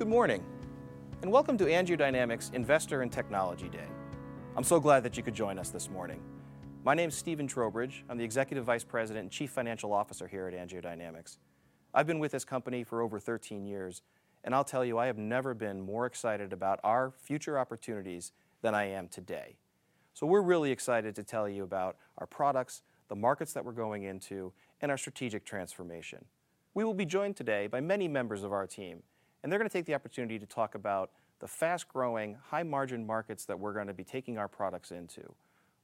Good morning. Welcome to AngioDynamics Investor and Technology Day. I'm so glad that you could join us this morning. My name is Stephen Trowbridge. I'm the Executive Vice President and Chief Financial Officer here at AngioDynamics. I've been with this company for over 13 years, and I'll tell you I have never been more excited about our future opportunities than I am today. We're really excited to tell you about our products, the markets that we're going into, and our strategic transformation. We will be joined today by many members of our team, and they're going to take the opportunity to talk about the fast-growing, high-margin markets that we're going to be taking our products into.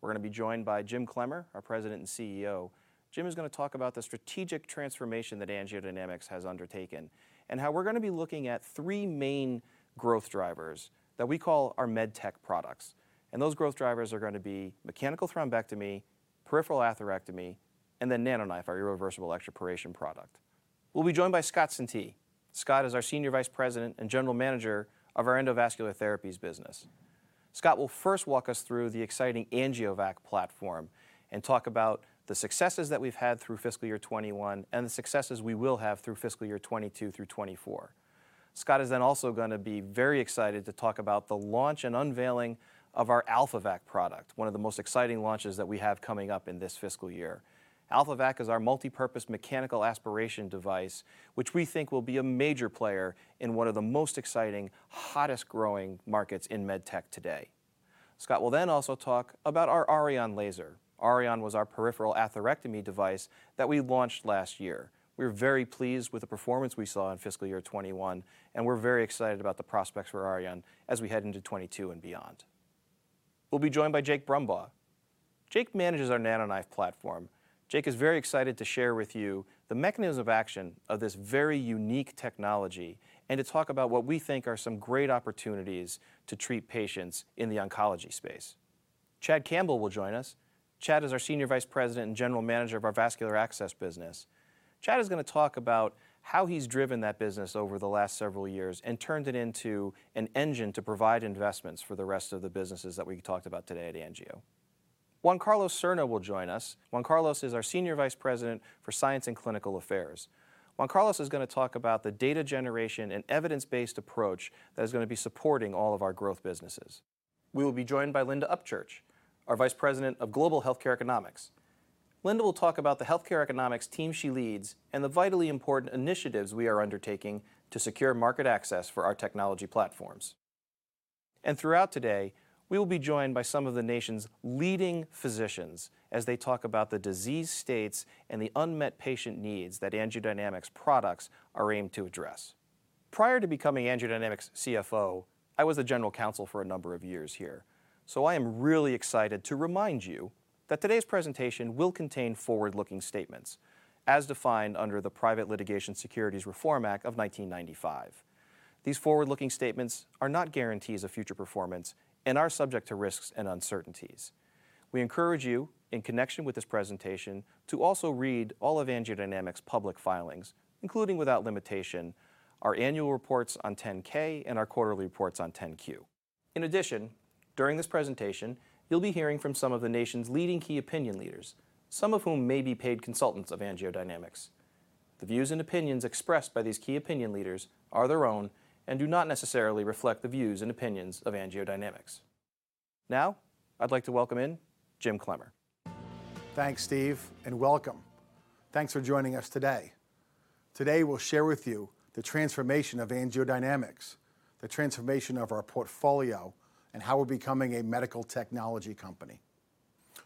We're going to be joined by Jim Clemmer, our President and CEO. Jim is going to talk about the strategic transformation that AngioDynamics has undertaken and how we're going to be looking at three main growth drivers that we call our med tech products. Those growth drivers are going to be mechanical thrombectomy, peripheral atherectomy, and then NanoKnife, our irreversible electroporation product. We'll be joined by Scott Centea. Scott is our Senior Vice President and General Manager of our Endovascular Therapies business. Scott will first walk us through the exciting AngioVac platform and talk about the successes that we've had through fiscal year 2021 and the successes we will have through fiscal year 2022 through 2024. Scott is then also going to be very excited to talk about the launch and unveiling of our AlphaVac product, one of the most exciting launches that we have coming up in this fiscal year. AlphaVac is our multipurpose mechanical aspiration device, which we think will be a major player in one of the most exciting, hottest growing markets in med tech today. Scott will also talk about our Auryon laser. Auryon was our peripheral atherectomy device that we launched last year. We're very pleased with the performance we saw in fiscal year 2021, and we're very excited about the prospects for Auryon as we head into 2022 and beyond. We'll be joined by Jake Brumbaugh. Jake manages our NanoKnife platform. Jake is very excited to share with you the mechanism of action of this very unique technology and to talk about what we think are some great opportunities to treat patients in the oncology space. Chad Campbell will join us. Chad is our Senior Vice President and General Manager of our Vascular Access business. Chad is going to talk about how he's driven that business over the last several years and turned it into an engine to provide investments for the rest of the businesses that we've talked about today at Angio. Juan Carlos Serna will join us. Juan Carlos is our Senior Vice President for Science and Clinical Affairs. Juan Carlos is going to talk about the data generation and evidence-based approach that is going to be supporting all of our growth businesses. We will be joined by Linda Upchurch, our Vice President of Global Healthcare Economics. Linda will talk about the healthcare economics team she leads and the vitally important initiatives we are undertaking to secure market access for our technology platforms. Throughout today, we'll be joined by some of the nation's leading physicians as they talk about the disease states and the unmet patient needs that AngioDynamics products are aimed to address. Prior to becoming AngioDynamics CFO, I was a general counsel for a number of years here. I am really excited to remind you that today's presentation will contain forward-looking statements as defined under the Private Securities Litigation Reform Act of 1995. These forward-looking statements are not guarantees of future performance and are subject to risks and uncertainties. We encourage you, in connection with this presentation, to also read all of AngioDynamics' public filings, including without limitation, our annual reports on 10-K and our quarterly reports on 10-Q. In addition, during this presentation, you'll be hearing from some of the nation's leading key opinion leaders, some of whom may be paid consultants of AngioDynamics. The views and opinions expressed by these key opinion leaders are their own and do not necessarily reflect the views and opinions of AngioDynamics. Now, I'd like to welcome in Jim Clemmer. Thanks, Steve, and welcome. Thanks for joining us today. Today, we'll share with you the transformation of AngioDynamics, the transformation of our portfolio, and how we're becoming a medical technology company.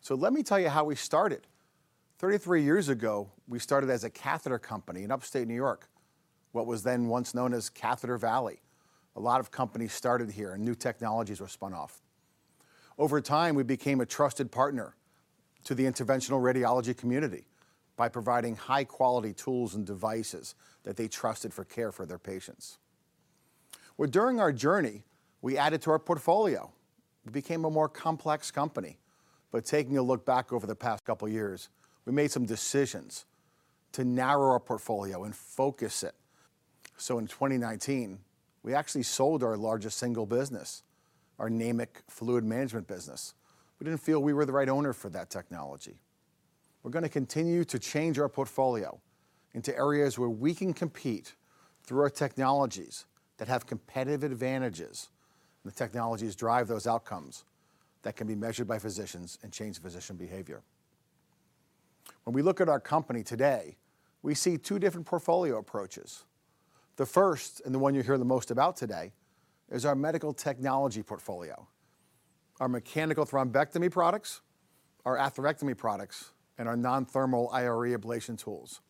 Let me tell you how we started. 33 years ago, we started as a catheter company in Upstate N.Y., what was then once known as Catheter Valley. A lot of companies started here, and new technologies were spun off. Over time, we became a trusted partner to the interventional radiology community by providing high-quality tools and devices that they trusted for care for their patients. During our journey, we added to our portfolio. We became a more complex company. Taking a look back over the past couple of years, we made some decisions to narrow our portfolio and focus it. In 2019, we actually sold our largest single business, our NAMIC fluid management business. We didn't feel we were the right owner for that technology. We're going to continue to change our portfolio into areas where we can compete through our technologies that have competitive advantages. The technologies drive those outcomes that can be measured by physicians and change physician behavior. When we look at our company today, we see two different portfolio approaches. The first, the one you'll hear the most about today, is our medical technology portfolio, our mechanical thrombectomy products, our atherectomy products, and our non-thermal IRE ablation tools.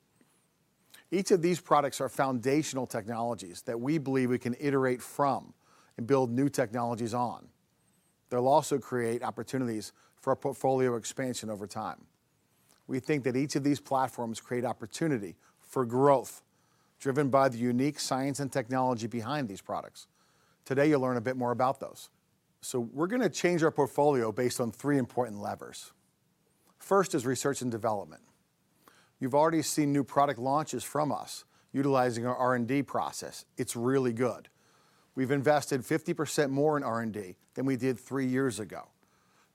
Each of these products are foundational technologies that we believe we can iterate from and build new technologies on. They'll also create opportunities for our portfolio expansion over time. We think that each of these platforms create opportunity for growth, driven by the unique science and technology behind these products. Today, you'll learn a bit more about those. We're going to change our portfolio based on three important levers. First is research and development. You've already seen new product launches from us utilizing our R&D process. It's really good. We've invested 50% more in R&D than we did three years ago.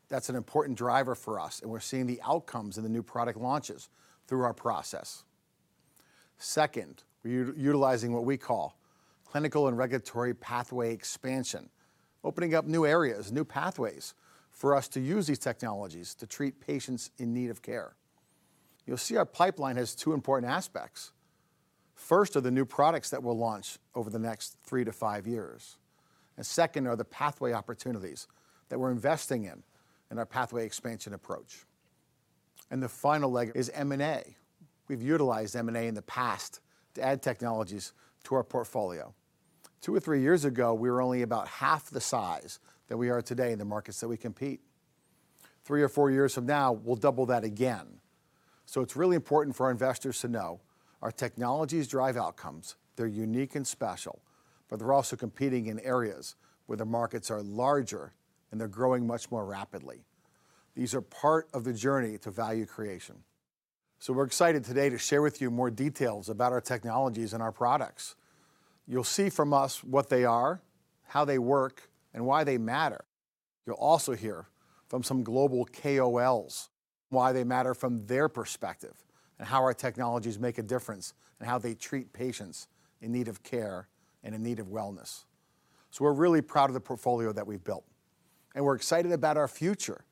That's an important driver for us, and we're seeing the outcomes in the new product launches through our process. Second, we're utilizing what we call clinical and regulatory pathway expansion, opening up new areas, new pathways for us to use these technologies to treat patients in need of care. You'll see our pipeline has two important aspects. First are the new products that we'll launch over the next 3-5 years, and second are the pathway opportunities that we're investing in our pathway expansion approach. The final leg is M&A. We've utilized M&A in the past to add technologies to our portfolio. two or three years ago, we were only about half the size that we are today in the markets that we compete. three or four years from now, we'll double that again. It's really important for investors to know our technologies drive outcomes. They're unique and special, but they're also competing in areas where the markets are larger and they're growing much more rapidly. These are part of the journey to value creation. We're excited today to share with you more details about our technologies and our products. You'll see from us what they are, how they work, and why they matter. You'll also hear from some global KOLs why they matter from their perspective, and how our technologies make a difference in how they treat patients in need of care and in need of wellness. We're really proud of the portfolio that we've built, and we're excited about our future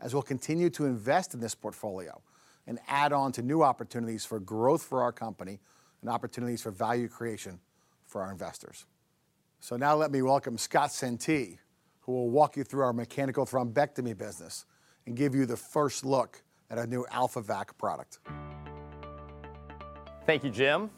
as we'll continue to invest in this portfolio and add on to new opportunities for growth for our company and opportunities for value creation for our investors. Now let me welcome Scott Centea, who will walk you through our mechanical thrombectomy business and give you the first look at our new AlphaVac product. Thank you, Jim.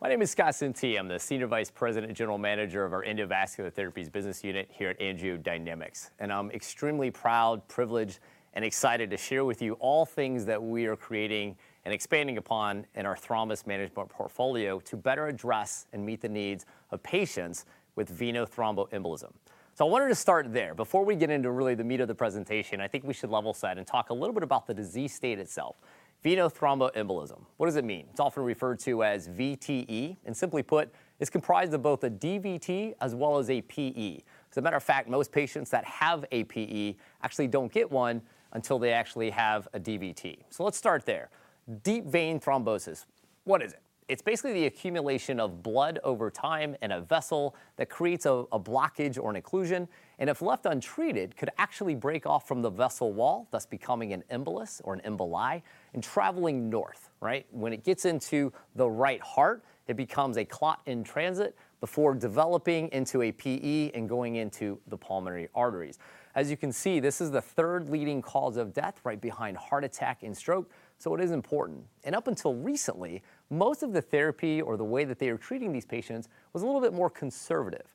My name is Scott Centea. I'm the Senior Vice President and General Manager of our Endovascular Therapies business unit here at AngioDynamics, and I'm extremely proud, privileged, and excited to share with you all things that we are creating and expanding upon in our thrombus management portfolio to better address and meet the needs of patients with venous thromboembolism. I wanted to start there. Before we get into really the meat of the presentation, I think we should level set and talk a little bit about the disease state itself. Venous thromboembolism. What does it mean? It's often referred to as VTE, and simply put, it's comprised of both a DVT as well as a PE. As a matter of fact, most patients that have a PE actually don't get one until they actually have a DVT. Let's start there. Deep vein thrombosis. What is it? It's basically the accumulation of blood over time in a vessel that creates a blockage or an occlusion, and if left untreated, can actually break off from the vessel wall, thus becoming an embolus or an emboli, and traveling north. When it gets into the right heart, it becomes a clot in transit before developing into a PE and going into the pulmonary arteries. As you can see, this is the third leading cause of death, right behind heart attack and stroke, so it is important. Up until recently, most of the therapy or the way that they were treating these patients was a little bit more conservative.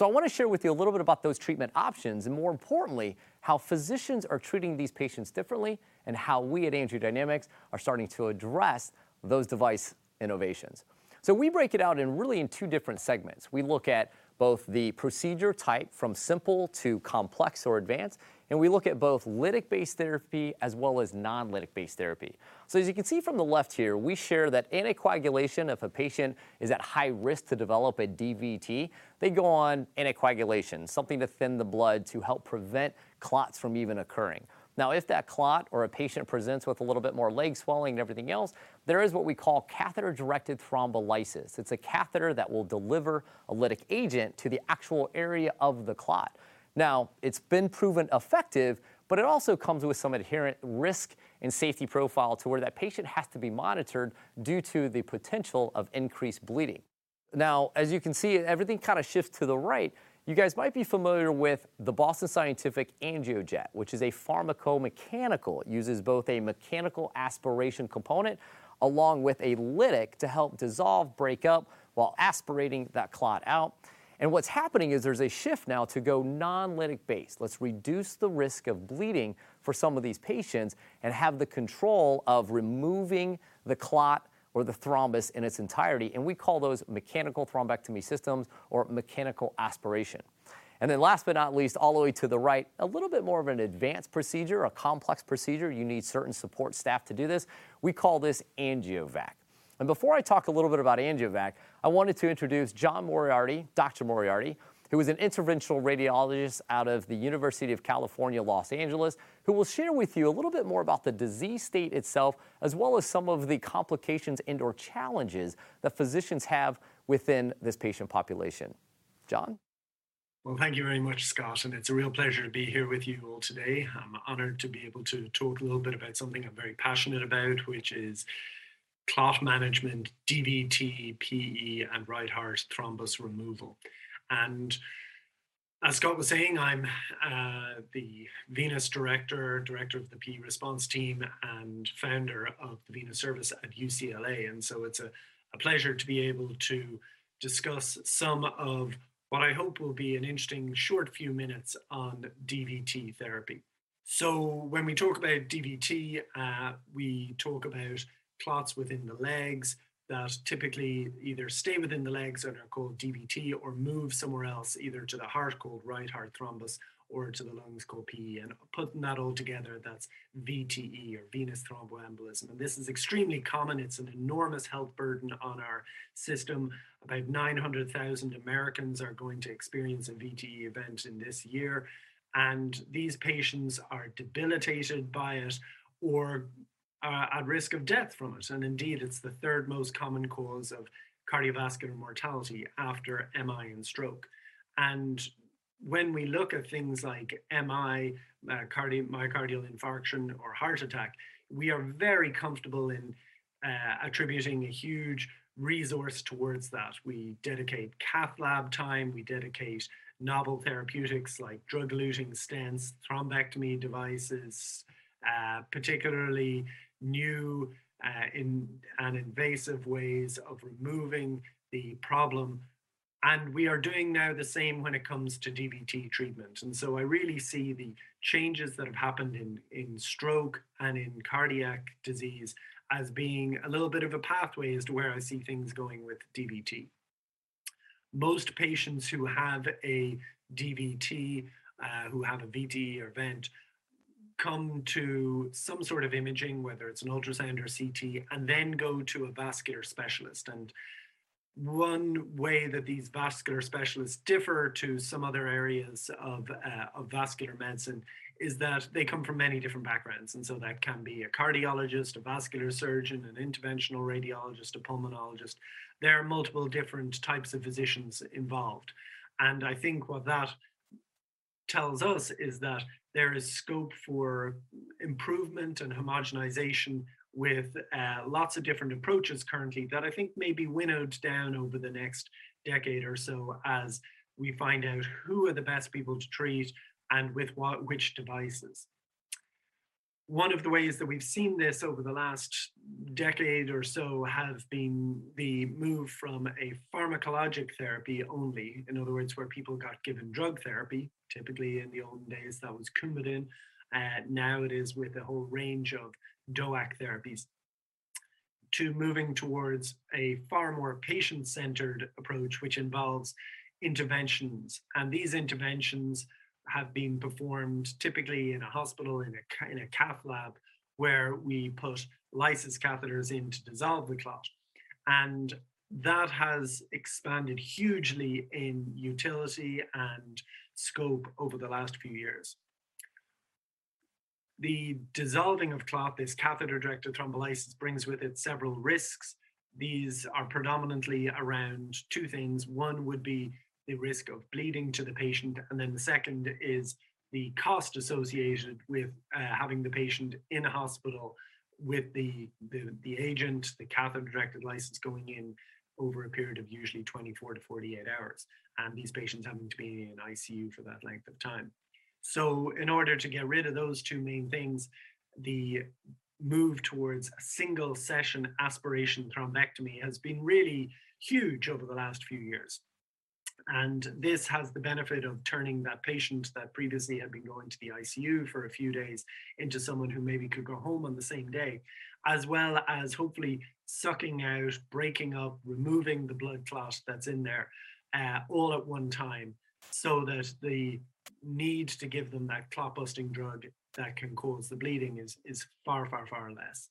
I want to share with you a little bit about those treatment options, and more importantly, how physicians are treating these patients differently and how we at AngioDynamics are starting to address those device innovations. We break it out really in two different segments. We look at both the procedure type from simple to complex or advanced, and we look at both lytic-based therapy as well as non-lytic-based therapy. As you can see from the left here, we share that anticoagulation, if a patient is at high risk to develop a DVT, they go on anticoagulation, something to thin the blood to help prevent clots from even occurring. If that clot or a patient presents with a little bit more leg swelling and everything else, there is what we call catheter-directed thrombolysis. It's a catheter that will deliver a lytic agent to the actual area of the clot. It's been proven effective, but it also comes with some inherent risk and safety profile to where that patient has to be monitored due to the potential of increased bleeding. As you can see, everything kind of shifts to the right. You guys might be familiar with the Boston Scientific AngioJet, which is a pharmacomechanical. It uses both a mechanical aspiration component along with a lytic to help dissolve, break up, while aspirating that clot out. What's happening is there's a shift now to go non-lytic based. Let's reduce the risk of bleeding for some of these patients and have the control of removing the clot or the thrombus in its entirety, and we call those mechanical thrombectomy systems or mechanical aspiration. Last but not least, all the way to the right, a little bit more of an advanced procedure, a complex procedure. You need certain support staff to do this. We call this AngioVac. Before I talk a little bit about AngioVac, I wanted to introduce John Moriarty, Dr. Moriarty, who is an interventional radiologist out of the University of California, Los Angeles, who will share with you a little bit more about the disease state itself, as well as some of the complications and/or challenges that physicians have within this patient population. John? Thank you very much, Scott, and it's a real pleasure to be here with you all today. I'm honored to be able to talk a little bit about something I'm very passionate about, which is clot management, DVT, PE, and right heart thrombus removal. As Scott was saying, I'm the Venous Director of the PE Response Team, and founder of the Venous Service at UCLA, and so it's a pleasure to be able to discuss some of what I hope will be an interesting short few minutes on DVT therapy. When we talk about DVT, we talk about clots within the legs that typically either stay within the legs, and are called DVT, or move somewhere else, either to the heart, called right heart thrombus, or to the lungs, called PE. Putting that all together, that's VTE, or venous thromboembolism. This is extremely common. It's an enormous health burden on our system. About 900,000 Americans are going to experience a VTE event in this year, and these patients are debilitated by it or are at risk of death from it. Indeed, it's the third most common cause of cardiovascular mortality after MI and stroke. When we look at things like MI, myocardial infarction or heart attack, we are very comfortable in attributing a huge resource towards that. We dedicate cath lab time, we dedicate novel therapeutics like drug-eluting stents, thrombectomy devices, particularly new and invasive ways of removing the problem. We are doing now the same when it comes to DVT treatment. I really see the changes that have happened in stroke and in cardiac disease as being a little bit of a pathway as to where I see things going with DVT. Most patients who have a DVT, who have a VTE event, come to some sort of imaging, whether it's an ultrasound or CT, then go to a vascular specialist. One way that these vascular specialists differ to some other areas of vascular medicine is that they come from many different backgrounds. That can be a cardiologist, a vascular surgeon, an interventional radiologist, a pulmonologist. There are multiple different types of physicians involved. I think what that tells us is that there is scope for improvement and homogenization with lots of different approaches currently that I think may be winnowed down over the next decade or so as we find out who are the best people to treat and with which devices. One of the ways that we've seen this over the last decade or so has been the move from a pharmacologic therapy only, in other words, where people got given drug therapy, typically in the olden days, that was Coumadin. Now it is with a whole range of DOAC therapies, to moving towards a far more patient-centered approach, which involves interventions. These interventions have been performed typically in a hospital, in a cath lab, where we put lysis catheters in to dissolve the clot. That has expanded hugely in utility and scope over the last few years. The dissolving of clot, this catheter-directed thrombolysis, brings with it several risks. These are predominantly around two things. One would be the risk of bleeding to the patient. The second is the cost associated with having the patient in a hospital with the agent, the catheter-directed lysis going in over a period of usually 24-48 hours, and these patients having to be in ICU for that length of time. In order to get rid of those two main things, the move towards single-session aspiration thrombectomy has been really huge over the last few years. This has the benefit of turning that patient that previously had been going to the ICU for a few days into someone who maybe could go home on the same day, as well as hopefully sucking out, breaking up, removing the blood clot that's in there all at one time so that the need to give them that clot-busting drug that can cause the bleeding is far less.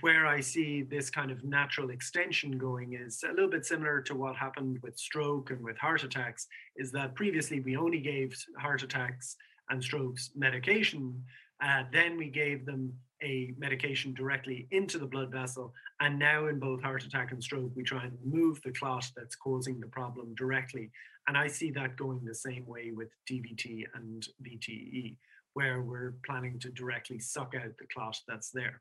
Where I see this kind of natural extension going is a little bit similar to what happened with stroke and with heart attacks, is that previously we only gave heart attacks and strokes medication. We gave them a medication directly into the blood vessel. Now in both heart attack and stroke, we try and remove the clot that's causing the problem directly. I see that going the same way with DVT and VTE, where we're planning to directly suck out the clot that's there.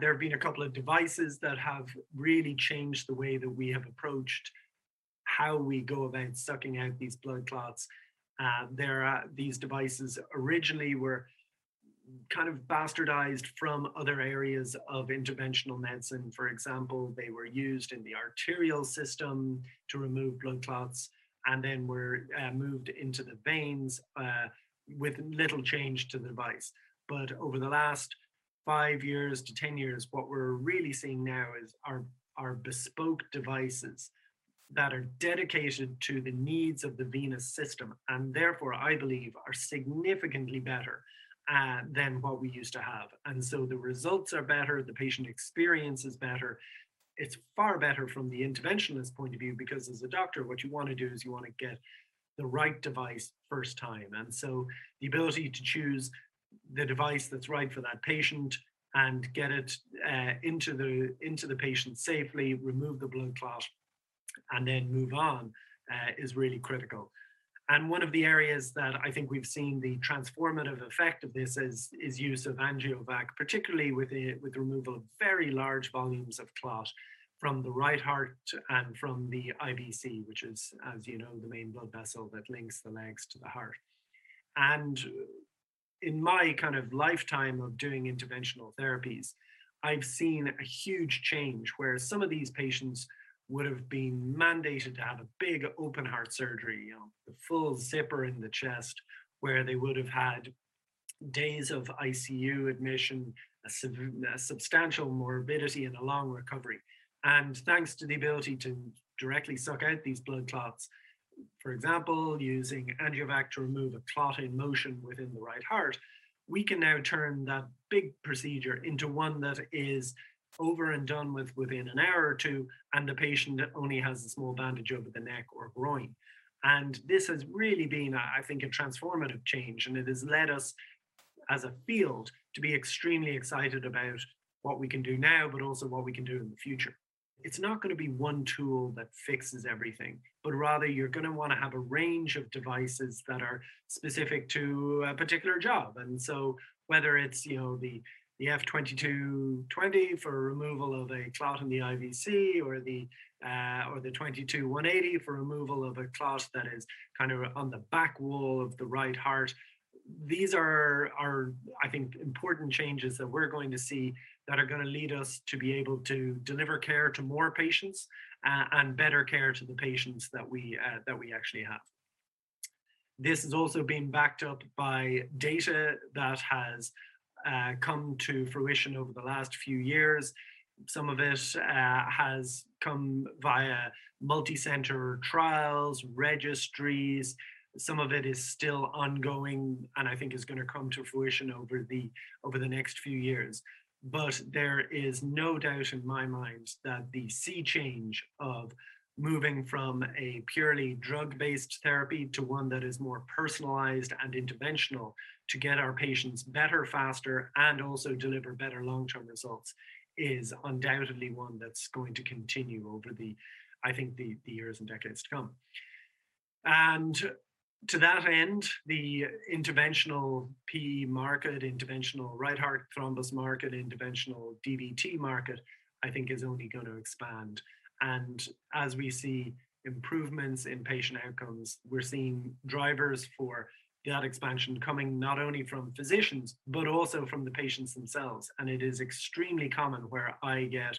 There have been a couple of devices that have really changed the way that we have approached how we go about sucking out these blood clots. These devices originally were kind of bastardized from other areas of interventional medicine. For example, they were used in the arterial system to remove blood clots and then were moved into the veins with little change to the device. Over the last 5-10 years, what we're really seeing now is our bespoke devices that are dedicated to the needs of the venous system and therefore, I believe, are significantly better than what we used to have. The results are better, the patient experience is better. It's far better from the interventionist point of view because as a doctor what you want to do is you want to get the right device first time. The ability to choose the device that's right for that patient and get it into the patient safely, remove the blood clot, and then move on, is really critical. One of the areas that I think we've seen the transformative effect of this is use of AngioVac, particularly with the removal of very large volumes of clot from the right heart and from the IVC, which is, as you know, the main blood vessel that links the legs to the heart. In my kind of lifetime of doing interventional therapies, I've seen a huge change where some of these patients would've been mandated to have a big open heart surgery, the full zipper in the chest, where they would've had days of ICU admission, a substantial morbidity, and a long recovery. Thanks to the ability to directly suck out these blood clots, for example, using AngioVac to remove a clot in motion within the right heart, we can now turn that big procedure into one that is over and done with within an hour or two, and the patient only has a small bandage over the neck or groin. This has really been, I think, a transformative change, and it has led us as a field to be extremely excited about what we can do now, but also what we can do in the future. It's not going to be one tool that fixes everything, but rather you're going to want to have a range of devices that are specific to a particular job. Whether it's the F2220 for removal of a clot in the IVC or the 22180 for removal of a clot that is on the back wall of the right heart. These are, I think, important changes that we're going to see that are going to lead us to be able to deliver care to more patients and better care to the patients that we actually have. This has also been backed up by data that has come to fruition over the last few years. Some of it has come via multi-center trials, registries, some of it is still ongoing, and I think is going to come to fruition over the next few years. There is no doubt in my mind that the sea change of moving from a purely drug-based therapy to one that is more personalized and interventional to get our patients better, faster, and also deliver better long-term results is undoubtedly one that's going to continue over, I think, the years and decades to come. To that end, the interventional PE market, interventional right heart thrombus market, interventional DVT market, I think is only going to expand. As we see improvements in patient outcomes, we're seeing drivers for that expansion coming not only from physicians but also from the patients themselves. It is extremely common where I get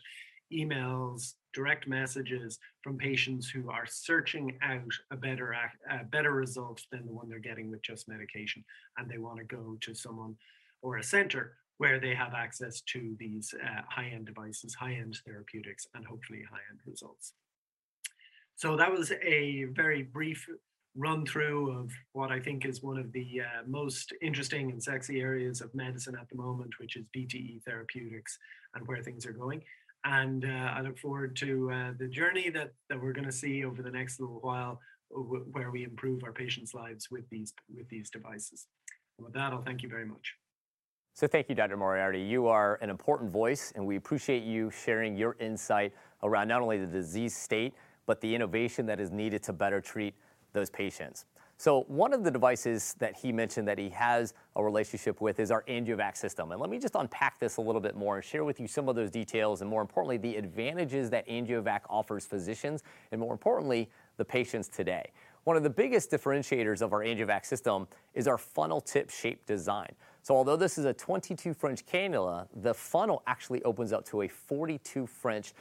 emails, direct messages from patients who are searching out a better result than the one they're getting with just medication, and they want to go to someone or a center where they have access to these high-end devices, high-end therapeutics, and hopefully high-end results. That was a very brief run-through of what I think is one of the most interesting and sexy areas of medicine at the moment, which is VTE therapeutics and where things are going. I look forward to the journey that we're going to see over the next little while, where we improve our patient's lives with these devices. With that, I'll thank you very much. Thank you, Dr. Moriarty. You are an important voice, and we appreciate you sharing your insight around not only the disease state, but the innovation that is needed to better treat those patients. One of the devices that he mentioned that he has a relationship with is our AngioVac system. Let me just unpack this a little bit more and share with you some of those details, and more importantly, the advantages that AngioVac offers physicians, and more importantly, the patients today. One of the biggest differentiators of our AngioVac system is our funnel tip shape design. Although this is a 22 French cannula, the funnel actually opens up to a 42 French,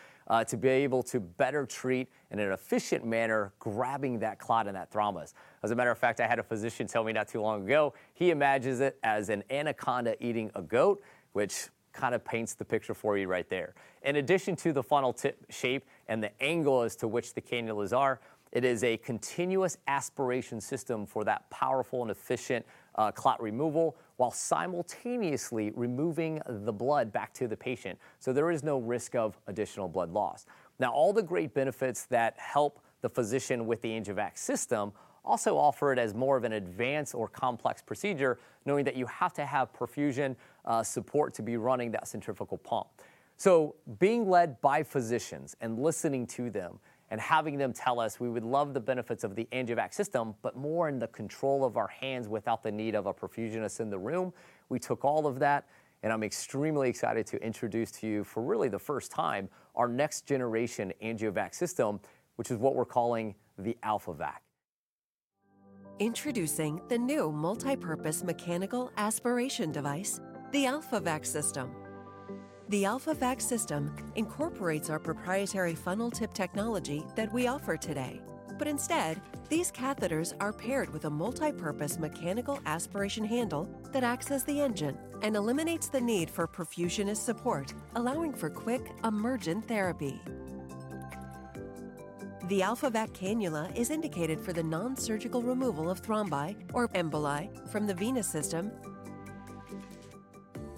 to be able to better treat in an efficient manner, grabbing that clot and that thrombus. As a matter of fact, I had a physician tell me not too long ago, he imagines it as an anaconda eating a goat, which kind of paints the picture for you right there. In addition to the funnel tip shape and the angle as to which the cannulas are, it is a continuous aspiration system for that powerful and efficient clot removal, while simultaneously removing the blood back to the patient. There is no risk of additional blood loss. All the great benefits that help the physician with the AngioVac system also offer it as more of an advanced or complex procedure, knowing that you have to have perfusion support to be running that centrifugal pump. Being led by physicians and listening to them and having them tell us we would love the benefits of the AngioVac system, but more in the control of our hands without the need of a perfusionist in the room. We took all of that. I'm extremely excited to introduce to you for really the first time, our next generation AngioVac system, which is what we're calling the AlphaVac. Introducing the new multipurpose mechanical aspiration device, the AlphaVac system. The AlphaVac system incorporates our proprietary funnel tip technology that we offer today. Instead, these catheters are paired with a multipurpose mechanical aspiration handle that acts as the engine and eliminates the need for perfusionist support, allowing for quick emergent therapy. The AlphaVac cannula is indicated for the non-surgical removal of thrombi or emboli from the venous system.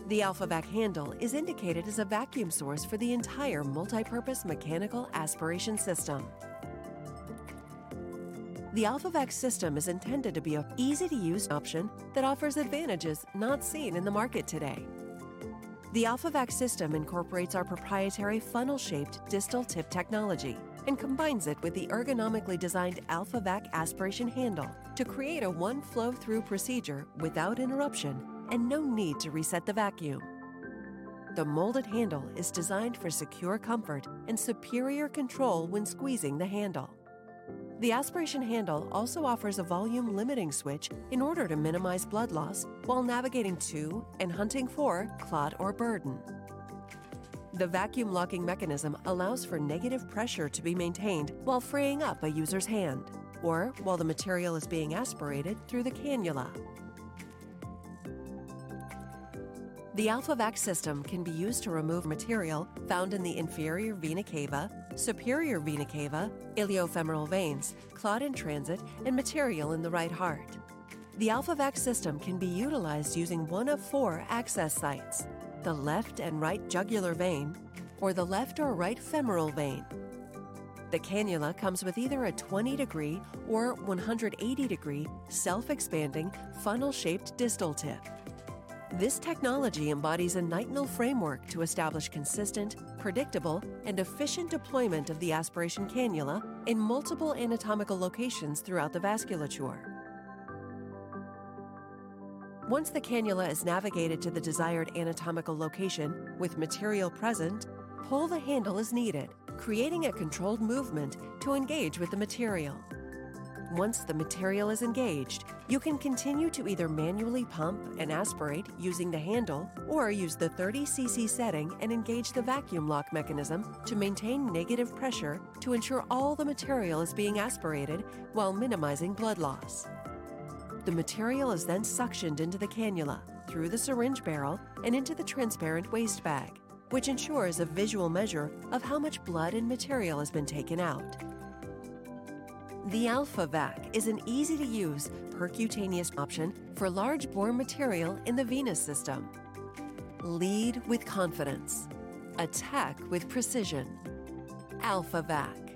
The AlphaVac handle is indicated as a vacuum source for the entire multipurpose mechanical aspiration system. The AlphaVac system is intended to be an easy-to-use option that offers advantages not seen in the market today. The AlphaVac system incorporates our proprietary funnel-shaped distal tip technology and combines it with the ergonomically designed AlphaVac aspiration handle to create a one flow-through procedure without interruption and no need to reset the vacuum. The molded handle is designed for secure comfort and superior control when squeezing the handle. The aspiration handle also offers a volume limiting switch in order to minimize blood loss while navigating to and hunting for clot or burden. The vacuum locking mechanism allows for negative pressure to be maintained while freeing up a user's hand or while the material is being aspirated through the cannula. The AlphaVac system can be used to remove material found in the inferior vena cava, superior vena cava, iliofemoral veins, clot in transit, and material in the right heart. The AlphaVac system can be utilized using one of four access sites, the left and right jugular vein or the left or right femoral vein. The cannula comes with either a 20-degree or 180-degree self-expanding funnel-shaped distal tip. This technology embodies a nitinol framework to establish consistent, predictable, and efficient deployment of the aspiration cannula in multiple anatomical locations throughout the vasculature. Once the cannula is navigated to the desired anatomical location with material present, pull the handle as needed, creating a controlled movement to engage with the material. Once the material is engaged, you can continue to either manually pump and aspirate using the handle or use the 30 cc setting and engage the vacuum lock mechanism to maintain negative pressure to ensure all the material is being aspirated while minimizing blood loss. The material is then suctioned into the cannula, through the syringe barrel, and into the transparent waste bag, which ensures a visual measure of how much blood and material has been taken out. The AlphaVac is an easy-to-use percutaneous option for large bore material in the venous system. Bleed with confidence. Attack with precision. AlphaVac.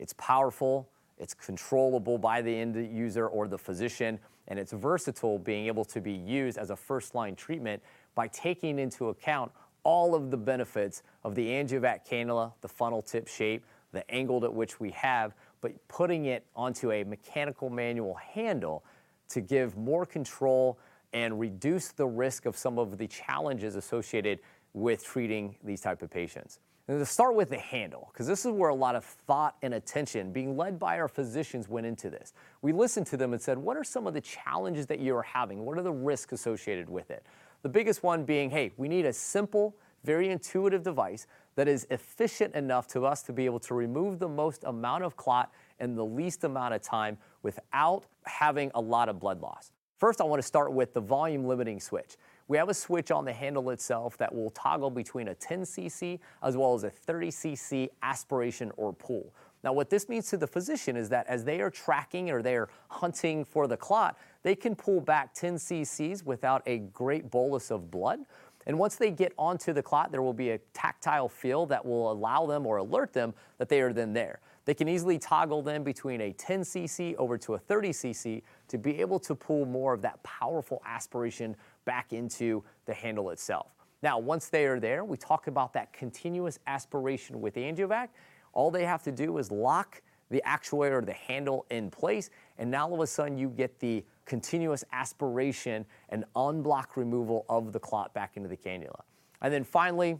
It's powerful, it's controllable by the end user or the physician, and it's versatile, being able to be used as a first-line treatment by taking into account all of the benefits of the AngioVac cannula, the funnel tip shape, the angle at which we have, but putting it onto a mechanical manual handle to give more control and reduce the risk of some of the challenges associated with treating these types of patients. To start with the handle, because this is where a lot of thought and attention, being led by our physicians, went into this. We listened to them and said, "What are some of the challenges that you are having? What are the risks associated with it? The biggest one being, we need a simple, very intuitive device that is efficient enough to us to be able to remove the most amount of clot in the least amount of time without having a lot of blood loss. First, I want to start with the volume limiting switch. We have a switch on the handle itself that will toggle between a 10cc as well as a 30cc aspiration or pull. What this means to the physician is that as they are tracking or they are hunting for the clot, they can pull back 10cc without a great bolus of blood, and once they get onto the clot, there will be a tactile feel that will allow them or alert them that they are then there. They can easily toggle then between a 10 cc over to a 30 cc to be able to pull more of that powerful aspiration back into the handle itself. Once they are there, we talk about that continuous aspiration with AngioVac. All they have to do is lock the actuator of the handle in place, and now all of a sudden you get the continuous aspiration and unblocked removal of the clot back into the cannula. Then finally,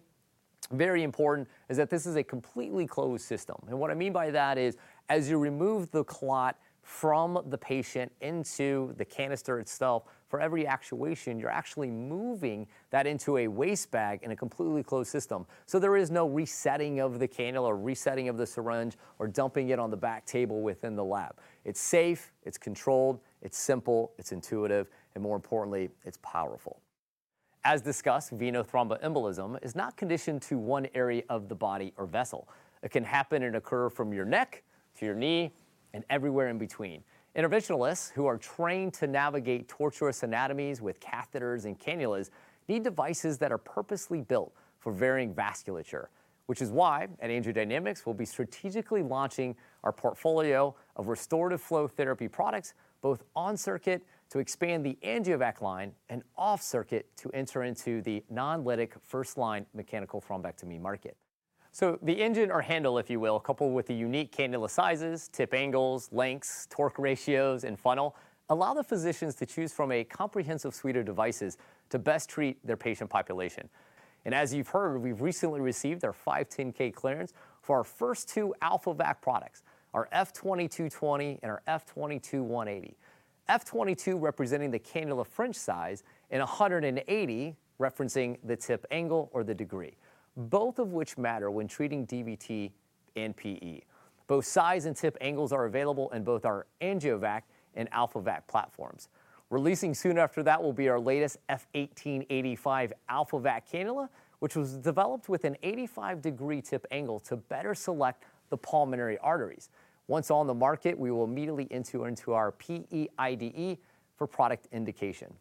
very important, is that this is a completely closed system. What I mean by that is, as you remove the clot from the patient into the canister itself, for every actuation, you're actually moving that into a waste bag in a completely closed system. There is no resetting of the cannula, resetting of the syringe, or dumping it on the back table within the lab. It's safe, it's controlled, it's simple, it's intuitive, and more importantly, it's powerful. As discussed, venous thromboembolism is not conditioned to one area of the body or vessel. It can happen and occur from your neck to your knee and everywhere in between. Interventionalists who are trained to navigate tortuous anatomies with catheters and cannulas need devices that are purposely built for varying vasculature, which is why at AngioDynamics, we'll be strategically launching our portfolio of Restorative Flow Therapy products, both on circuit to expand the AngioVac line and off circuit to enter into the non-lytic first line mechanical thrombectomy market. The engine or handle, if you will, coupled with the unique cannula sizes, tip angles, lengths, torque ratios, and funnel, allow the physicians to choose from a comprehensive suite of devices to best treat their patient population. As you've heard, we've recently received our 510 clearance for our first two AlphaVac products, our F22 220 and our F22 180. F22 representing the cannula French size, and 180 referencing the tip angle or the degree, both of which matter when treating DVT and PE. Both size and tip angles are available in both our AngioVac and AlphaVac platforms. Releasing soon after that will be our latest F18 85 AlphaVac cannula, which was developed with an 85-degree tip angle to better select the pulmonary arteries. Once on the market, we will immediately enter into our PE IDE for product indication.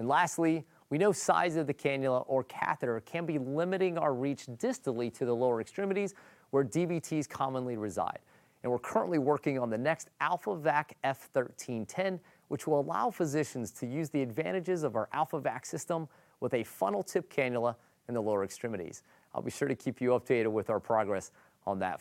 Lastly, we know size of the cannula or catheter can be limiting our reach distally to the lower extremities where DVTs commonly reside, and we're currently working on the next AlphaVac F1310, which will allow physicians to use the advantages of our AlphaVac system with a funnel tip cannula in the lower extremities. I'll be sure to keep you updated with our progress on that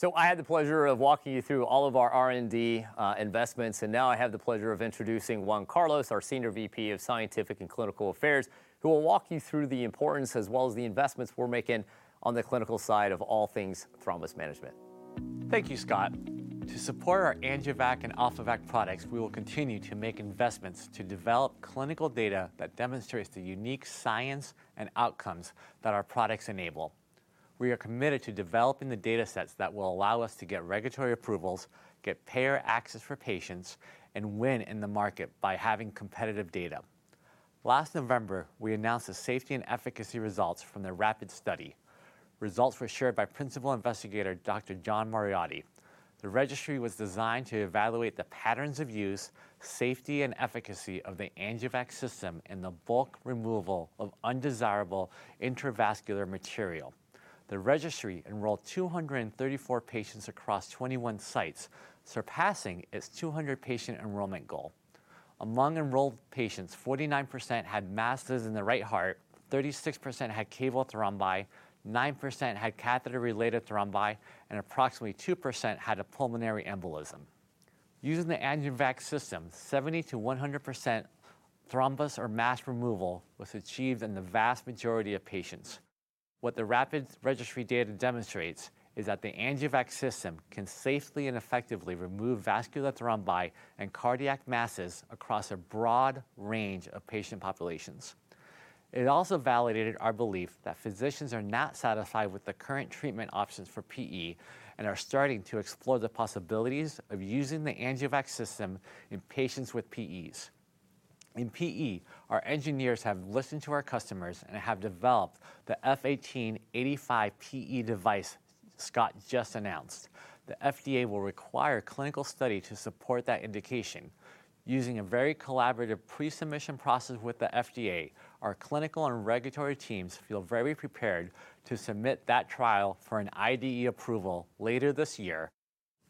front. I had the pleasure of walking you through all of our R&D investments, and now I have the pleasure of introducing Juan Carlos, our Senior Vice President of Scientific and Clinical Affairs, who will walk you through the importance as well as the investments we're making on the clinical side of all things thrombus management. Thank you, Scott. To support our AngioVac and AlphaVac products, we will continue to make investments to develop clinical data that demonstrates the unique science and outcomes that our products enable. We are committed to developing the data sets that will allow us to get regulatory approvals, get payer access for patients, and win in the market by having competitive data. Last November, we announced the safety and efficacy results from the RAPID Study. Results were shared by Principal Investigator, Dr. John Moriarty. The registry was designed to evaluate the patterns of use, safety, and efficacy of the AngioVac system in the bulk removal of undesirable intravascular material. The registry enrolled 234 patients across 21 sites, surpassing its 200-patient enrollment goal. Among enrolled patients, 49% had masses in the right heart, 36% had caval thrombi, 9% had catheter-related thrombi, and approximately 2% had a pulmonary embolism. Using the AngioVac system, 70%-100% thrombus or mass removal was achieved in the vast majority of patients. What the RAPID registry data demonstrates is that the AngioVac system can safely and effectively remove vascular thrombi and cardiac masses across a broad range of patient populations. It also validated our belief that physicians are not satisfied with the current treatment options for PE and are starting to explore the possibilities of using the AngioVac system in patients with PEs. In PE, our engineers have listened to our customers and have developed the F1885 PE device Scott just announced. The FDA will require a clinical study to support that indication. Using a very collaborative pre-submission process with the FDA, our clinical and regulatory teams feel very prepared to submit that trial for an IDE approval later this year.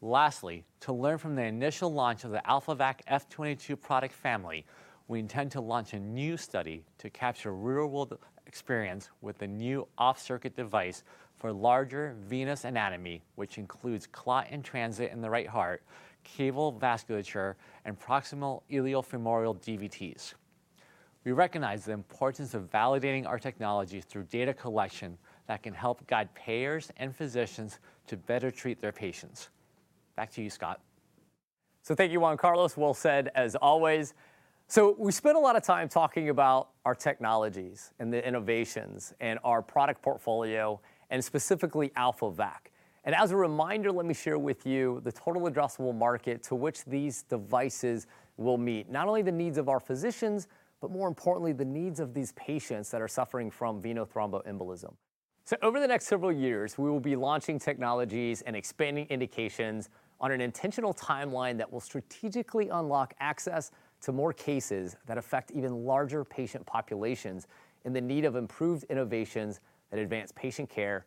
Lastly, to learn from the initial launch of the AlphaVac F22 product family, we intend to launch a new study to capture real-world experience with a new off-circuit device for larger venous anatomy, which includes clot-in-transit in the right heart, caval vasculature, and proximal iliofemoral DVTs. We recognize the importance of validating our technologies through data collection that can help guide payers and physicians to better treat their patients. Back to you, Scott. Thank you, Juan Carlos. Well said, as always. We spent a lot of time talking about our technologies and the innovations and our product portfolio, and specifically AlphaVac. As a reminder, let me share with you the total addressable market to which these devices will meet not only the needs of our physicians, but more importantly, the needs of these patients that are suffering from venous thromboembolism. Over the next several years, we will be launching technologies and expanding indications on an intentional timeline that will strategically unlock access to more cases that affect even larger patient populations and the need of improved innovations that advance patient care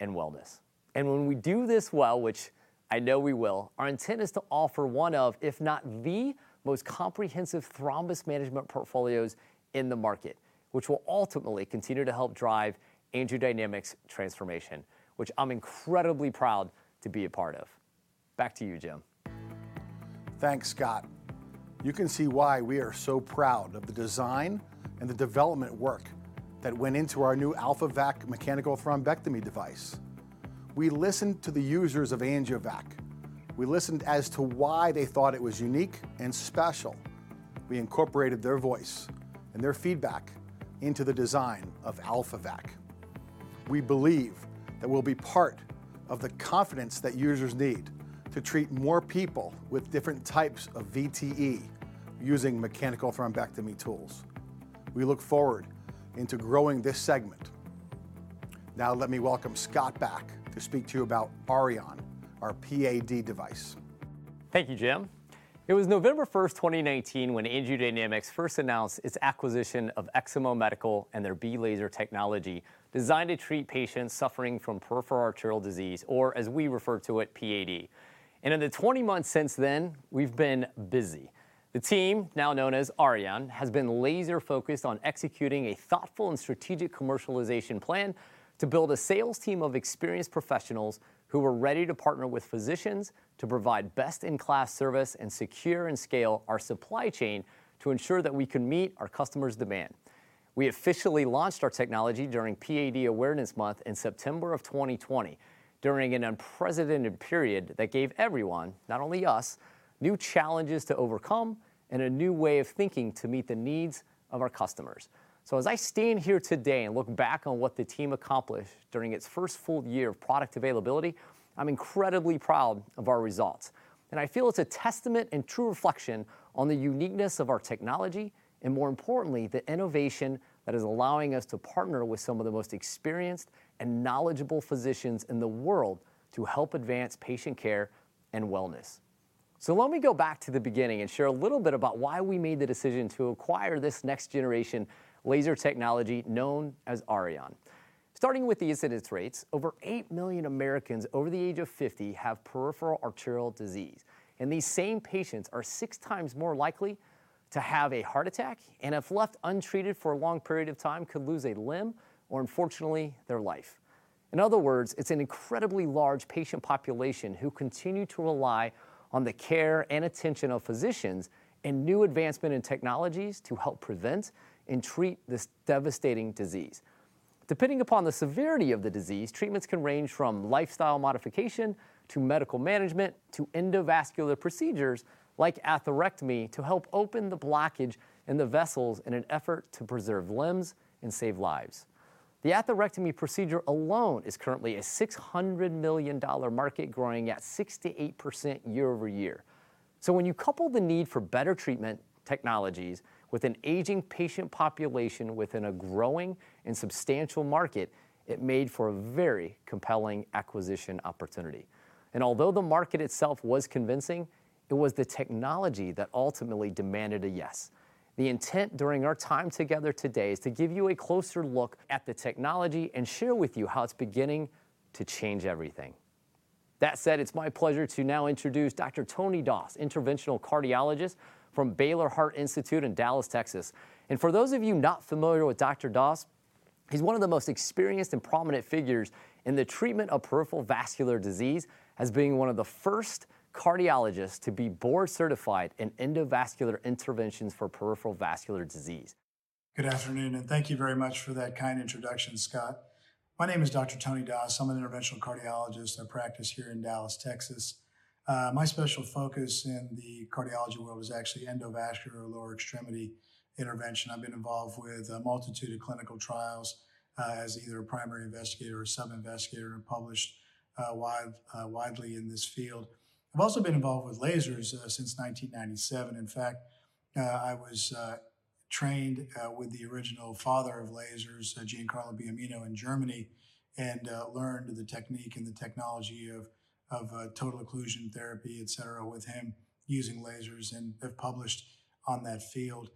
and wellness. When we do this well, which I know we will, our intent is to offer one of, if not the most comprehensive thrombus management portfolios in the market, which will ultimately continue to help drive AngioDynamics' transformation, which I'm incredibly proud to be a part of. Back to you, Jim. Thanks, Scott. You can see why we are so proud of the design and the development work that went into our new AlphaVac mechanical thrombectomy device. We listened to the users of AngioVac. We listened as to why they thought it was unique and special. We incorporated their voice and their feedback into the design of AlphaVac. We believe it will be part of the confidence that users need to treat more people with different types of VTE using mechanical thrombectomy tools. We look forward into growing this segment. Let me welcome Scott back to speak to you about Auryon, our PAD device. Thank you, Jim. It was November 1st, 2019, when AngioDynamics first announced its acquisition of Eximo Medical and their B-Laser technology designed to treat patients suffering from peripheral arterial disease, or as we refer to it, PAD. In the 20 months since then, we've been busy. The team, now known as Auryon, has been laser-focused on executing a thoughtful and strategic commercialization plan to build a sales team of experienced professionals who are ready to partner with physicians to provide best-in-class service and secure and scale our supply chain to ensure that we can meet our customers' demand. We officially launched our technology during PAD Awareness Month in September of 2020, during an unprecedented period that gave everyone, not only us, new challenges to overcome and a new way of thinking to meet the needs of our customers. As I stand here today and look back on what the team accomplished during its first full year of product availability, I'm incredibly proud of our results, and I feel it's a testament and true reflection on the uniqueness of our technology and, more importantly, the innovation that is allowing us to partner with some of the most experienced and knowledgeable physicians in the world to help advance patient care and wellness. Let me go back to the beginning and share a little bit about why we made the decision to acquire this next-generation laser technology known as Auryon. Starting with the incidence rates, over eight million Americans over the age of 50 have peripheral arterial disease, and these same patients are 6x more likely to have a heart attack, and if left untreated for a long period of time, could lose a limb or, unfortunately, their life. In other words, it's an incredibly large patient population who continue to rely on the care and attention of physicians and new advancement in technologies to help prevent and treat this devastating disease. Depending upon the severity of the disease, treatments can range from lifestyle modification to medical management to endovascular procedures like atherectomy to help open the blockage in the vessels in an effort to preserve limbs and save lives. The atherectomy procedure alone is currently a $600 million market growing at 68% year-over-year. When you couple the need for better treatment technologies with an aging patient population within a growing and substantial market, it made for a very compelling acquisition opportunity. Although the market itself was convincing, it was the technology that ultimately demanded a yes. The intent during our time together today is to give you a closer look at the technology and share with you how it's beginning to change everything. That said, it's my pleasure to now introduce Dr. Tony Das, interventional cardiologist from Baylor Heart and Vascular Institute in Dallas, Texas. For those of you not familiar with Dr. Das, he's one of the most experienced and prominent figures in the treatment of peripheral vascular disease, as being one of the first cardiologists to be board certified in endovascular interventions for peripheral vascular disease. Good afternoon, thank you very much for that kind introduction, Scott Centea. My name is Dr. Tony Das. I'm an interventional cardiologist. I practice here in Dallas, Texas. My special focus in the cardiology world was actually endovascular lower extremity intervention. I've been involved with a multitude of clinical trials as either a primary investigator or sub-investigator, and published widely in this field. I've also been involved with lasers since 1997. In fact, I was trained with the original father of lasers, Giancarlo Biamino, in Germany, and learned the technique and the technology of total occlusion therapy, et cetera, with him using lasers and have published on that field.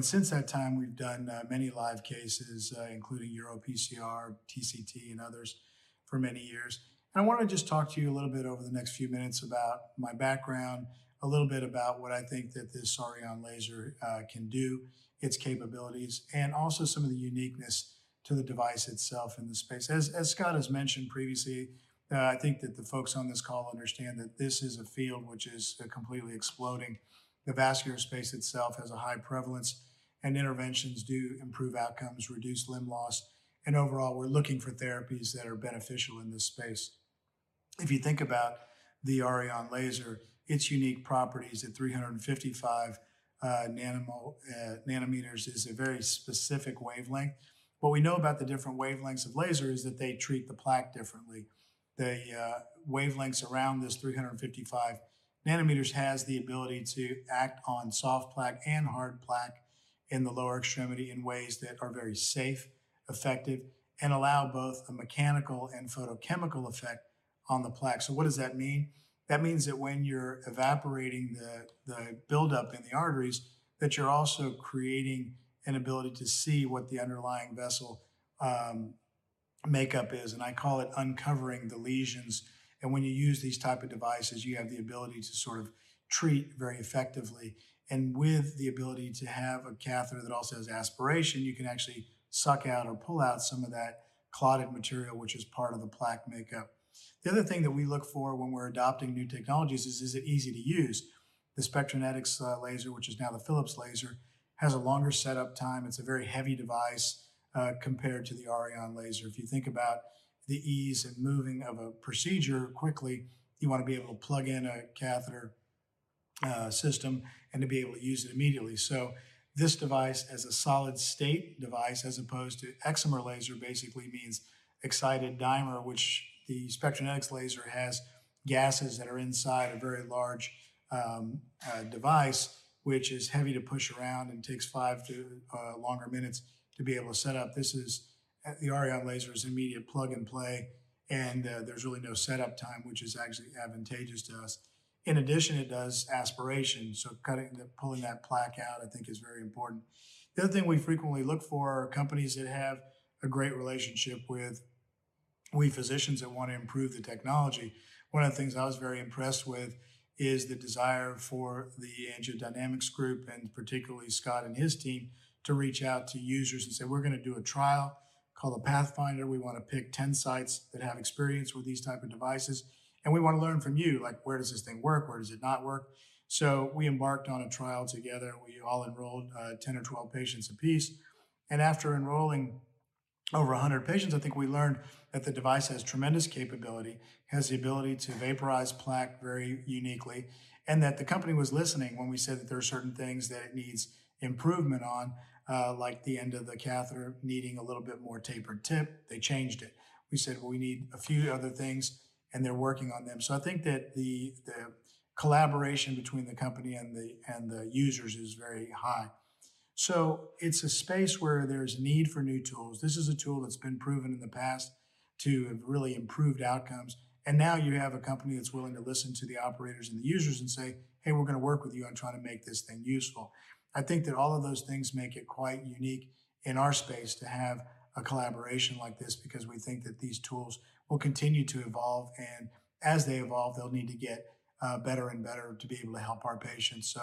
Since that time, we've done many live cases, including EuroPCR, TCT, and others for many years. I want to just talk to you a little bit over the next few minutes about my background, a little bit about what I think that this Auryon laser can do, its capabilities, and also some of the uniqueness to the device itself in the space. As Scott has mentioned previously, I think that the folks on this call understand that this is a field which is completely exploding. The vascular space itself has a high prevalence, and interventions do improve outcomes, reduce limb loss, and overall, we're looking for therapies that are beneficial in this space. If you think about the Auryon laser, its unique properties at 355 nanometers is a very specific wavelength. What we know about the different wavelengths of lasers is that they treat the plaque differently. The wavelengths around this 355 nanometers has the ability to act on soft plaque and hard plaque in the lower extremity in ways that are very safe, effective, and allow both the mechanical and photochemical effect on the plaque. What does that mean? That means that when you're evaporating the buildup in the arteries, that you're also creating an ability to see what the underlying vessel makeup is, and I call it uncovering the lesions. When you use these type of devices, you have the ability to sort of treat very effectively. With the ability to have a catheter that also has aspiration, you can actually suck out or pull out some of that clotted material, which is part of the plaque makeup. The other thing that we look for when we're adopting new technologies is it easy to use? The Spectranetics laser, which is now the Philips laser, has a longer setup time. It's a very heavy device compared to the Auryon laser. If you think about the ease of moving of a procedure quickly, you want to be able to plug in a catheter system and to be able to use it immediately. This device is a solid-state device as opposed to excimer laser, basically means excited dimer, which the Spectranetics laser has gasses that are inside a very large device, which is heavy to push around and takes five to longer minutes to be able to set up. The Auryon laser is immediate plug and play, and there's really no setup time, which is actually advantageous to us. In addition, it does aspiration, so pulling that plaque out, I think, is very important. The other thing we frequently look for are companies that have a great relationship with we physicians that want to improve the technology. One of the things I was very impressed with is the desire for the AngioDynamics group, and particularly Scott and his team, to reach out to users and say, "We're going to do a trial called the Pathfinder. We want to pick 10 sites that have experience with these type of devices, and we want to learn from you, like where does this thing work or does it not work?" We embarked on a trial together, and we all enrolled 10 or 12 patients apiece. After enrolling over 100 patients, I think we learned that the device has tremendous capability, has the ability to vaporize plaque very uniquely, and that the company was listening when we said that there are certain things that it needs improvement on, like the end of the catheter needing a little bit more tapered tip. They changed it. We said we need a few other things, and they're working on them. I think that the collaboration between the company and the users is very high. It's a space where there's need for new tools. This is a tool that's been proven in the past to have really improved outcomes. Now you have a company that's willing to listen to the operators and the users and say, "Hey, we're going to work with you on trying to make this thing useful." I think that all of those things make it quite unique in our space to have a collaboration like this because we think that these tools will continue to evolve, and as they evolve, they'll need to get better and better to be able to help our patients.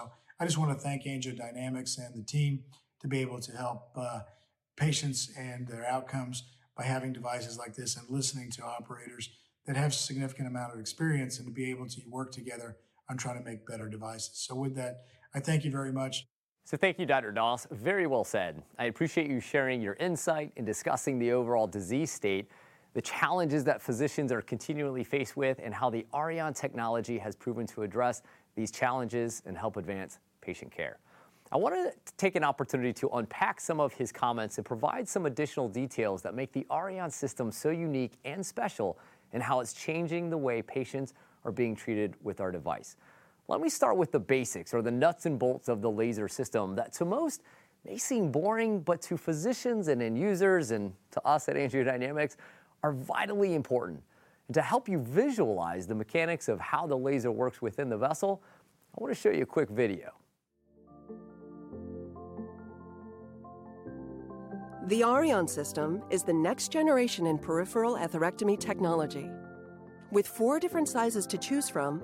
I just want to thank AngioDynamics and the team to be able to help patients and their outcomes by having devices like this and listening to operators that have a significant amount of experience, and to be able to work together on trying to make better devices. With that, I thank you very much. Thank you, Dr. Das. Very well said. I appreciate you sharing your insight and discussing the overall disease state, the challenges that physicians are continually faced with, and how the Auryon technology has proven to address these challenges and help advance patient care. I want to take an opportunity to unpack some of his comments and provide some additional details that make the Auryon system so unique and special in how it's changing the way patients are being treated with our device. Let me start with the basics, or the nuts and bolts of the laser system, that to most may seem boring, but to physicians and end users, and to us at AngioDynamics, are vitally important. To help you visualize the mechanics of how the laser works within the vessel, I want to show you a quick video. The Auryon system is the next generation in peripheral atherectomy technology. With four different sizes to choose from,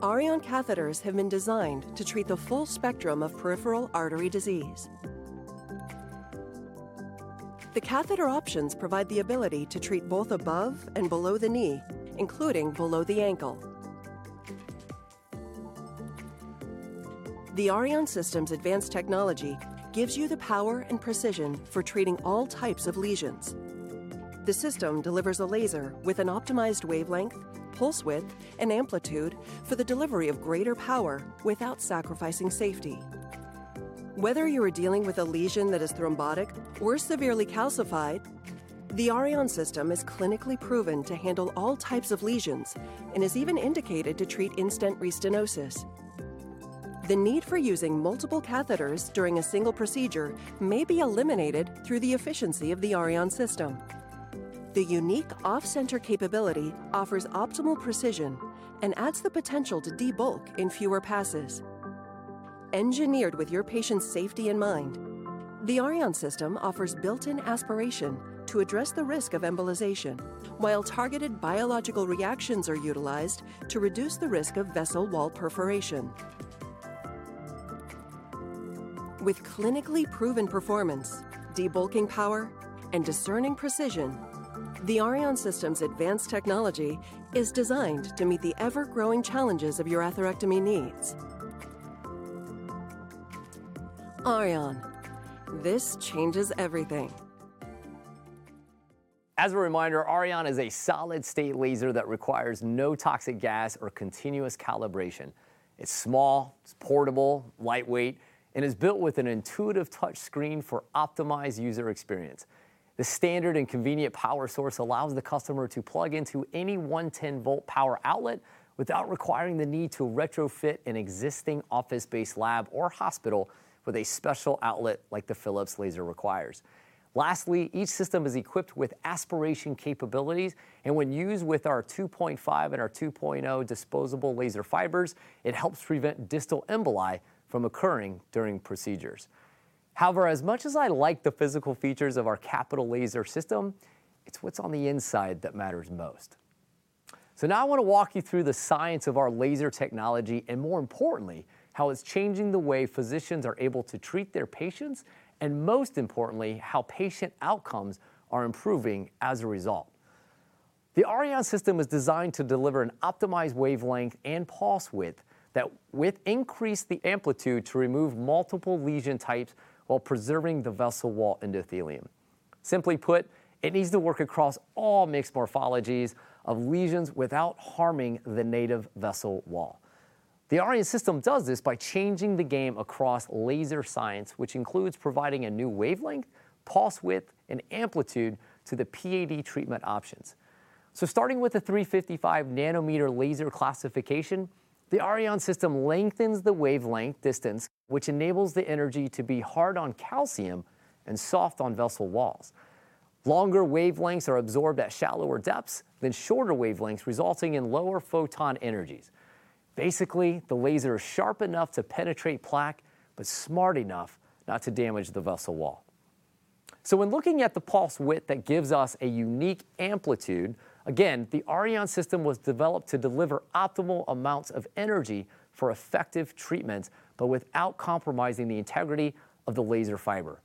Auryon catheters have been designed to treat the full spectrum of peripheral arterial disease. The catheter options provide the ability to treat both above and below the knee, including below the ankle. The Auryon system's advanced technology gives you the power and precision for treating all types of lesions. The system delivers a laser with an optimized wavelength, pulse width, and amplitude for the delivery of greater power without sacrificing safety. Whether you are dealing with a lesion that is thrombotic or severely calcified, the Auryon system is clinically proven to handle all types of lesions and is even indicated to treat in-stent restenosis. The need for using multiple catheters during a single procedure may be eliminated through the efficiency of the Auryon system. The unique off-center capability offers optimal precision and adds the potential to debulk in fewer passes. Engineered with your patients' safety in mind, the Auryon system offers built-in aspiration to address the risk of embolization, while targeted biological reactions are utilized to reduce the risk of vessel wall perforation. With clinically proven performance, debulking power, and discerning precision, the Auryon system's advanced technology is designed to meet the ever-growing challenges of your atherectomy needs. Auryon. This changes everything. As a reminder, Auryon is a solid-state laser that requires no toxic gas or continuous calibration. It's small, it's portable, lightweight, and is built with an intuitive touch screen for optimized user experience. The standard and convenient power source allows the customer to plug into any 110-volt power outlet without requiring the need to retrofit an existing office-based lab or hospital with a special outlet like the Philips laser requires. Lastly, each system is equipped with aspiration capabilities, and when used with our 2.5 and our 2.0 disposable laser fibers, it helps prevent distal emboli from occurring during procedures. However, as much as I like the physical features of our capital laser system, it's what's on the inside that matters most. Now I want to walk you through the science of our laser technology, and more importantly, how it's changing the way physicians are able to treat their patients, and most importantly, how patient outcomes are improving as a result. The Auryon system is designed to deliver an optimized wavelength and pulse width that will increase the amplitude to remove multiple lesion types while preserving the vessel wall endothelium. Simply put, it needs to work across all mixed morphologies of lesions without harming the native vessel wall. The Auryon system does this by changing the game across laser science, which includes providing a new wavelength, pulse width, and amplitude to the PAD treatment options. Starting with the 355 nanometer laser classification, the Auryon system lengthens the wavelength distance, which enables the energy to be hard on calcium and soft on vessel walls. Longer wavelengths are absorbed at shallower depths than shorter wavelengths, resulting in lower photon energies. Basically, the laser is sharp enough to penetrate plaque, but smart enough not to damage the vessel wall. When looking at the pulse width that gives us a unique amplitude, again, the Auryon system was developed to deliver optimal amounts of energy for effective treatment, but without compromising the integrity of the laser fiber.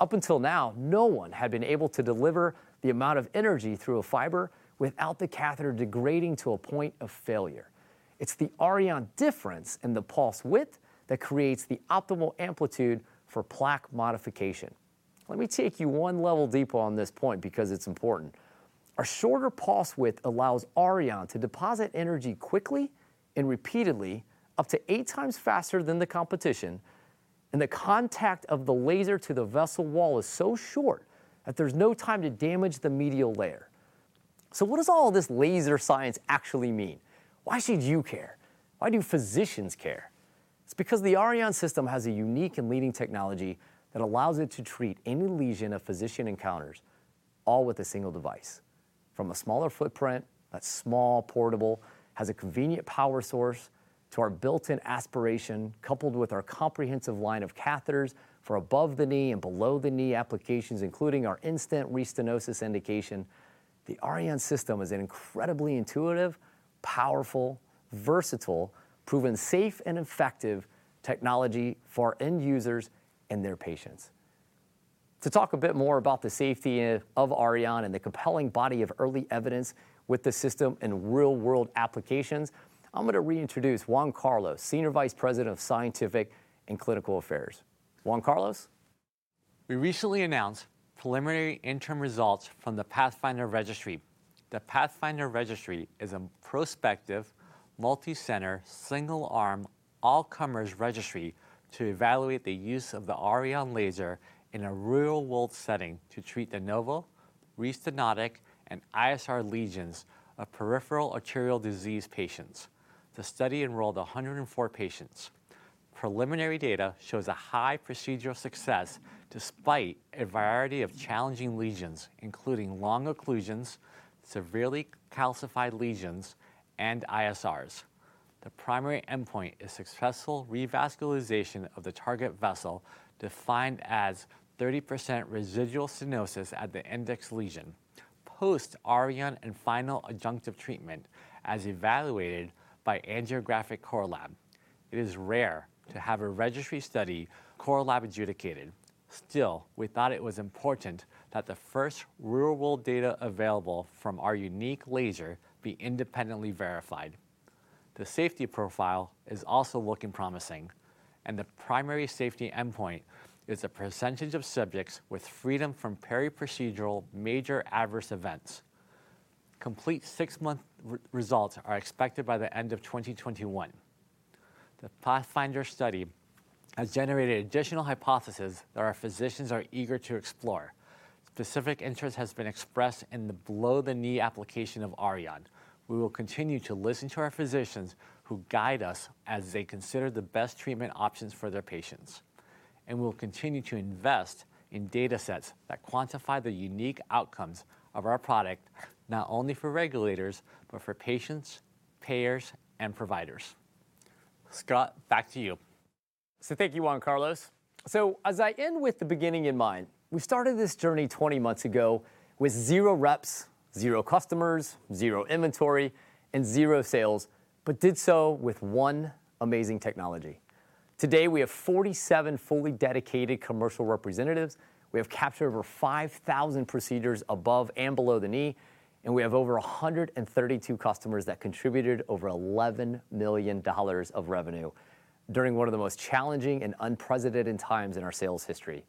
Up until now, no one had been able to deliver the amount of energy through a fiber without the catheter degrading to a point of failure. It's the Auryon difference in the pulse width that creates the optimal amplitude for plaque modification. Let me take you one level deeper on this point, because it's important. A shorter pulse width allows Auryon to deposit energy quickly and repeatedly up to 8x faster than the competition, and the contact of the laser to the vessel wall is so short that there's no time to damage the medial layer. What does all this laser science actually mean? Why should you care? Why do physicians care? It's because the Auryon system has a unique and leading technology that allows it to treat any lesion a physician encounters, all with a single device. From a smaller footprint that's small, portable, has a convenient power source, to our built-in aspiration, coupled with our comprehensive line of catheters for above-the-knee and below-the-knee applications, including our in-stent restenosis indication, the Auryon system is an incredibly intuitive, powerful, versatile, proven safe and effective technology for end users and their patients. To talk a bit more about the safety of Auryon and the compelling body of early evidence with the system in real-world applications, I'm going to reintroduce Juan Carlos, Senior Vice President of Scientific and Clinical Affairs. Juan Carlos? We recently announced preliminary interim results from the PATHFINDER I Registry. The PATHFINDER I Registry is a prospective, multi-center, single-arm, all-comers registry to evaluate the use of the Auryon in a real-world setting to treat de novo, restenotic, and ISR lesions of peripheral arterial disease patients. The study enrolled 104 patients. Preliminary data shows a high procedural success despite a variety of challenging lesions, including long occlusions, severely calcified lesions, and ISRs. The primary endpoint is successful revascularization of the target vessel, defined as 30% residual stenosis at the index lesion, post Auryon and final adjunctive treatment, as evaluated by angiographic core lab. It is rare to have a registry study core lab adjudicated. Still, we thought it was important that the first real-world data available from our unique laser be independently verified. The safety profile is also looking promising, and the primary safety endpoint is a % of subjects with freedom from periprocedural major adverse events. Complete 6-month results are expected by the end of 2021. The Pathfinder study has generated additional hypothesis that our physicians are eager to explore. Specific interest has been expressed in the below-the-knee application of Auryon. We will continue to listen to our physicians who guide us as they consider the best treatment options for their patients, and we'll continue to invest in data sets that quantify the unique outcomes of our product, not only for regulators but for patients, payers, and providers. Scott, back to you. Thank you, Juan Carlos. As I end with the beginning in mind, we started this journey 20 months ago with 0 reps, 0 customers, 0 inventory, and 0 sales, but did so with 1 amazing technology. Today, we have 47 fully dedicated commercial representatives. We have captured over 5,000 procedures above and below the knee, and we have over 132 customers that contributed over $11 million of revenue during one of the most challenging and unprecedented times in our sales history.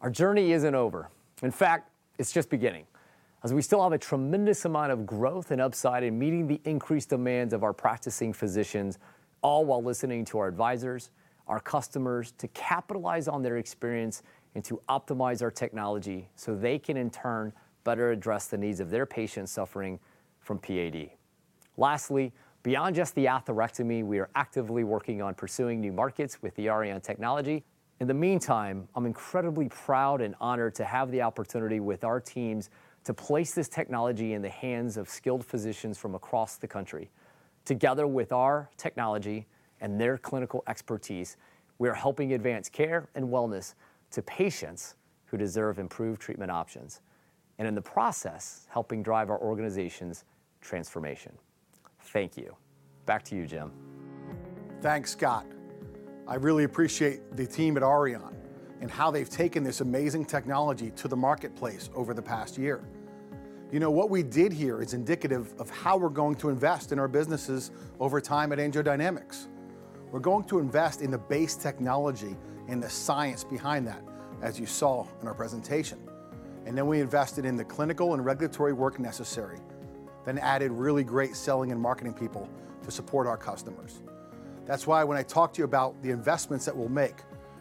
Our journey isn't over. In fact, it's just beginning, as we still have a tremendous amount of growth and upside in meeting the increased demands of our practicing physicians, all while listening to our advisors, our customers, to capitalize on their experience and to optimize our technology so they can in turn better address the needs of their patients suffering from PAD. Lastly, beyond just the atherectomy, we are actively working on pursuing new markets with the Auryon technology. In the meantime, I'm incredibly proud and honored to have the opportunity with our teams to place this technology in the hands of skilled physicians from across the country. Together with our technology and their clinical expertise, we are helping advance care and wellness to patients who deserve improved treatment options, and in the process, helping drive our organization's transformation. Thank you. Back to you, Jim. Thanks, Scott. I really appreciate the team at Auryon and how they've taken this amazing technology to the marketplace over the past year. What we did here is indicative of how we're going to invest in our businesses over time at AngioDynamics. We're going to invest in a base technology and the science behind that, as you saw in our presentation. Then we invested in the clinical and regulatory work necessary, then added really great selling and marketing people to support our customers. That's why when I talk to you about the investments that we'll make,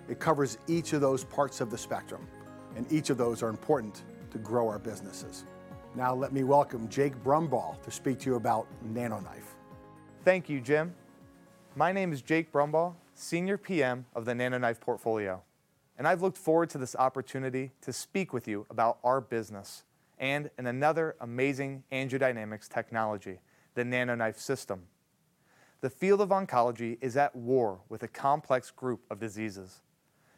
it covers each of those parts of the spectrum, and each of those are important to grow our businesses. Now let me welcome Jake Brumbaugh to speak to you about NanoKnife. Thank you, Jim. My name is Jake Brumbaugh, Senior PM of the NanoKnife portfolio. I've looked forward to this opportunity to speak with you about our business and another amazing AngioDynamics technology, the NanoKnife system. The field of oncology is at war with a complex group of diseases.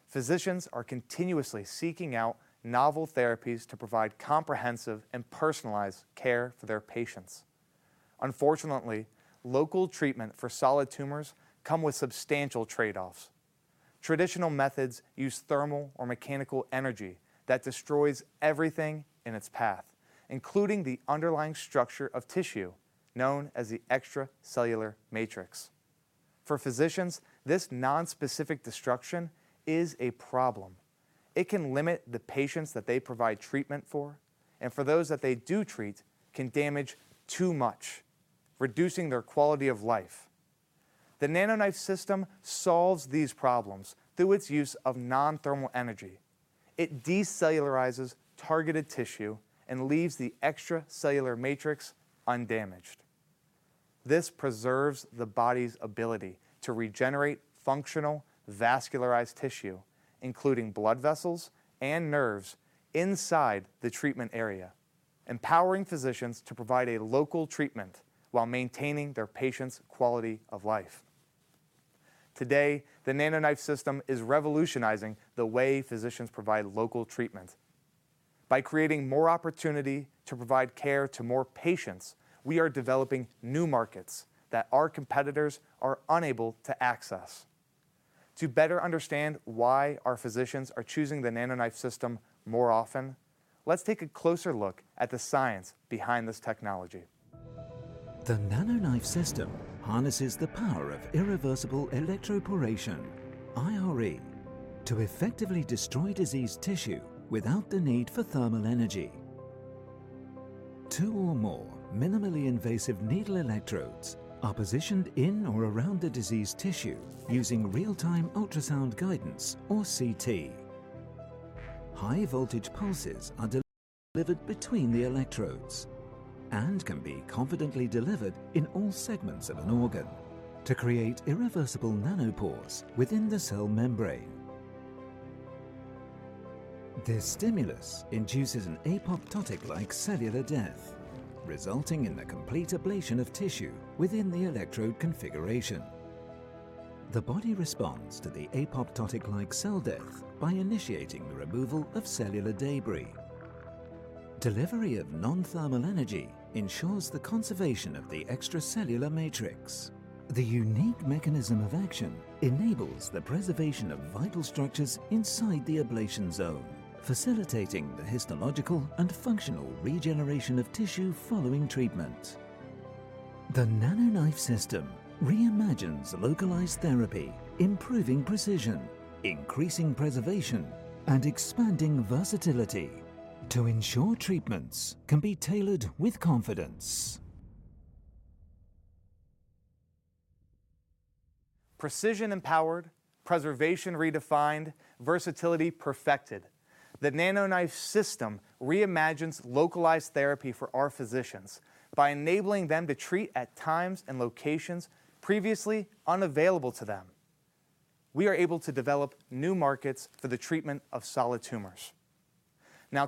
Physicians are continuously seeking out novel therapies to provide comprehensive and personalized care for their patients. Unfortunately, local treatment for solid tumors come with substantial trade-offs. Traditional methods use thermal or mechanical energy that destroys everything in its path, including the underlying structure of tissue, known as the extracellular matrix. For physicians, this non-specific destruction is a problem. It can limit the patients that they provide treatment for, and for those that they do treat, can damage too much, reducing their quality of life. The NanoKnife system solves these problems through its use of non-thermal energy. It decellularizes targeted tissue and leaves the extracellular matrix undamaged. This preserves the body's ability to regenerate functional vascularized tissue, including blood vessels and nerves inside the treatment area, empowering physicians to provide a local treatment while maintaining their patients' quality of life. Today, the NanoKnife system is revolutionizing the way physicians provide local treatment. By creating more opportunity to provide care to more patients, we are developing new markets that our competitors are unable to access. To better understand why our physicians are choosing the NanoKnife system more often, let's take a closer look at the science behind this technology. The NanoKnife system harnesses the power of irreversible electroporation, IRE, to effectively destroy diseased tissue without the need for thermal energy. Two or more minimally invasive needle electrodes are positioned in or around the diseased tissue using real-time ultrasound guidance or CT. High voltage pulses are delivered between the electrodes and can be confidently delivered in all segments of an organ to create irreversible nanopores within the cell membrane. This stimulus induces an apoptotic-like cellular death, resulting in the complete ablation of tissue within the electrode configuration. The body responds to the apoptotic-like cell death by initiating the removal of cellular debris. Delivery of non-thermal energy ensures the conservation of the extracellular matrix. The unique mechanism of action enables the preservation of vital structures inside the ablation zone, facilitating the histological and functional regeneration of tissue following treatment. The NanoKnife system reimagines localized therapy, improving precision, increasing preservation, and expanding versatility to ensure treatments can be tailored with confidence. Precision empowered, preservation redefined, versatility perfected. The NanoKnife system reimagines localized therapy for our physicians by enabling them to treat at times and locations previously unavailable to them. We are able to develop new markets for the treatment of solid tumors.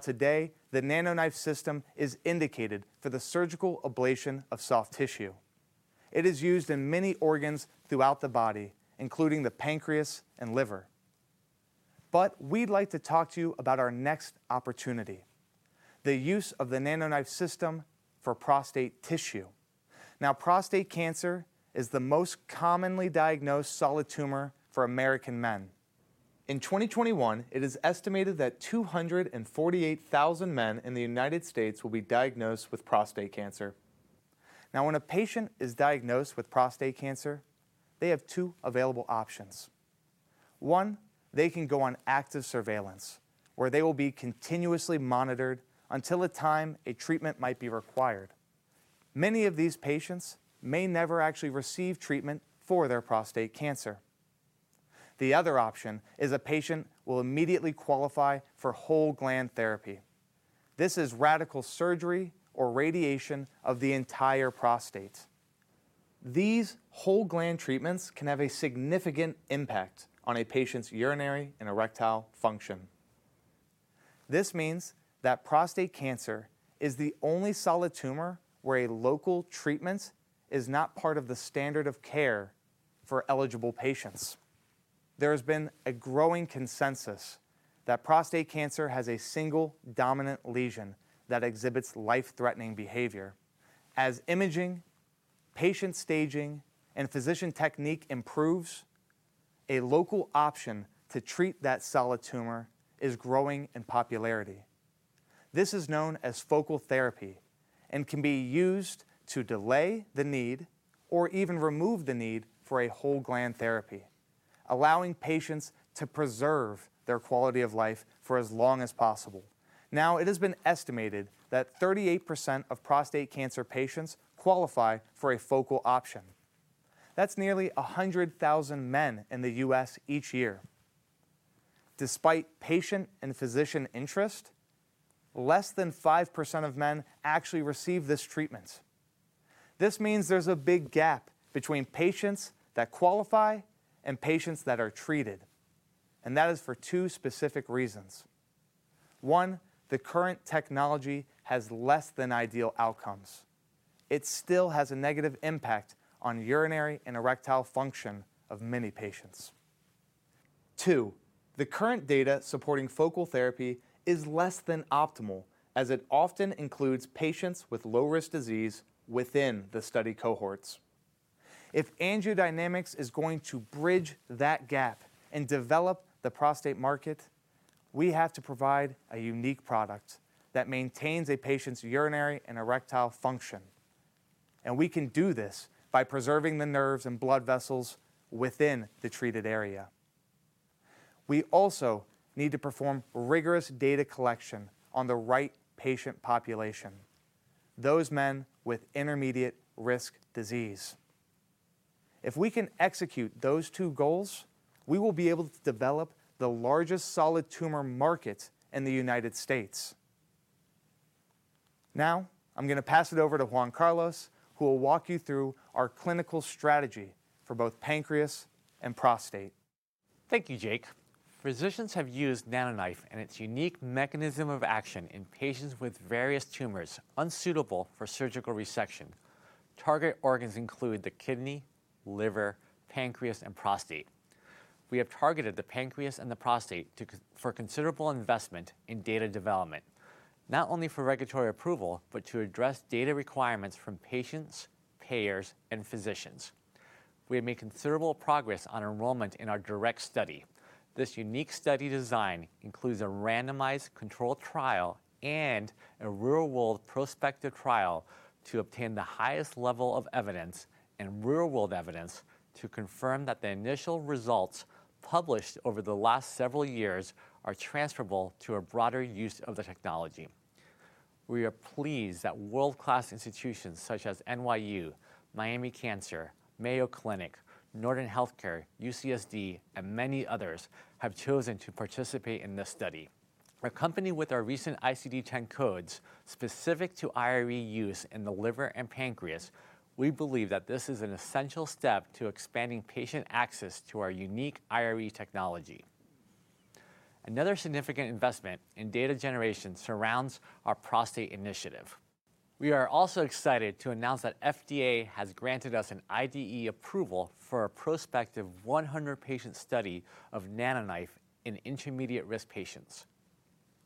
Today, the NanoKnife system is indicated for the surgical ablation of soft tissue. It is used in many organs throughout the body, including the pancreas and liver. We'd like to talk to you about our next opportunity, the use of the NanoKnife system for prostate tissue. Prostate cancer is the most commonly diagnosed solid tumor for American men. In 2021, it is estimated that 248,000 men in the United States will be diagnosed with prostate cancer. When a patient is diagnosed with prostate cancer, they have two available options. One, they can go on active surveillance, where they will be continuously monitored until a time a treatment might be required. Many of these patients may never actually receive treatment for their prostate cancer. The other option is a patient will immediately qualify for whole-gland therapy. This is radical surgery or radiation of the entire prostate. These whole-gland treatments can have a significant impact on a patient's urinary and erectile function. This means that prostate cancer is the only solid tumor where a local treatment is not part of the standard of care for eligible patients. There has been a growing consensus that prostate cancer has a single dominant lesion that exhibits life-threatening behavior. As imaging, patient staging, and physician technique improves, a local option to treat that solid tumor is growing in popularity. This is known as focal therapy and can be used to delay the need or even remove the need for a whole-gland therapy, allowing patients to preserve their quality of life for as long as possible. It has been estimated that 38% of prostate cancer patients qualify for a focal option. That's nearly 100,000 men in the U.S. each year. Despite patient and physician interest, less than 5% of men actually receive this treatment. This means there's a big gap between patients that qualify and patients that are treated, and that is for two specific reasons. One, the current technology has less than ideal outcomes. It still has a negative impact on urinary and erectile function of many patients. Two, the current data supporting focal therapy is less than optimal, as it often includes patients with low-risk disease within the study cohorts. If AngioDynamics is going to bridge that gap and develop the prostate market, we have to provide a unique product that maintains a patient's urinary and erectile function. We can do this by preserving the nerves and blood vessels within the treated area. We also need to perform rigorous data collection on the right patient population, those men with intermediate-risk disease. If we can execute those two goals, we will be able to develop the largest solid tumor market in the United States. Now, I'm going to pass it over to Juan Carlos, who will walk you through our clinical strategy for both pancreas and prostate. Thank you, Jake. Physicians have used NanoKnife and its unique mechanism of action in patients with various tumors unsuitable for surgical resection. Target organs include the kidney, liver, pancreas, and prostate. We have targeted the pancreas and the prostate for considerable investment in data development, not only for regulatory approval, but to address data requirements from patients, payers, and physicians. We have made considerable progress on enrollment in our DIRECT Study. This unique study design includes a randomized controlled trial and a real-world prospective trial to obtain the highest level of evidence and real-world evidence to confirm that the initial results published over the last several years are transferable to a broader use of the technology. We are pleased that world-class institutions such as NYU, Miami Cancer, Mayo Clinic, Northwell Health, UCSD, and many others have chosen to participate in this study. Accompanied with our recent ICD-10 codes specific to IRE use in the liver and pancreas, we believe that this is an essential step to expanding patient access to our unique IRE technology. Another significant investment in data generation surrounds our prostate initiative. We are also excited to announce that FDA has granted us an IDE approval for a prospective 100-patient study of NanoKnife in intermediate-risk patients.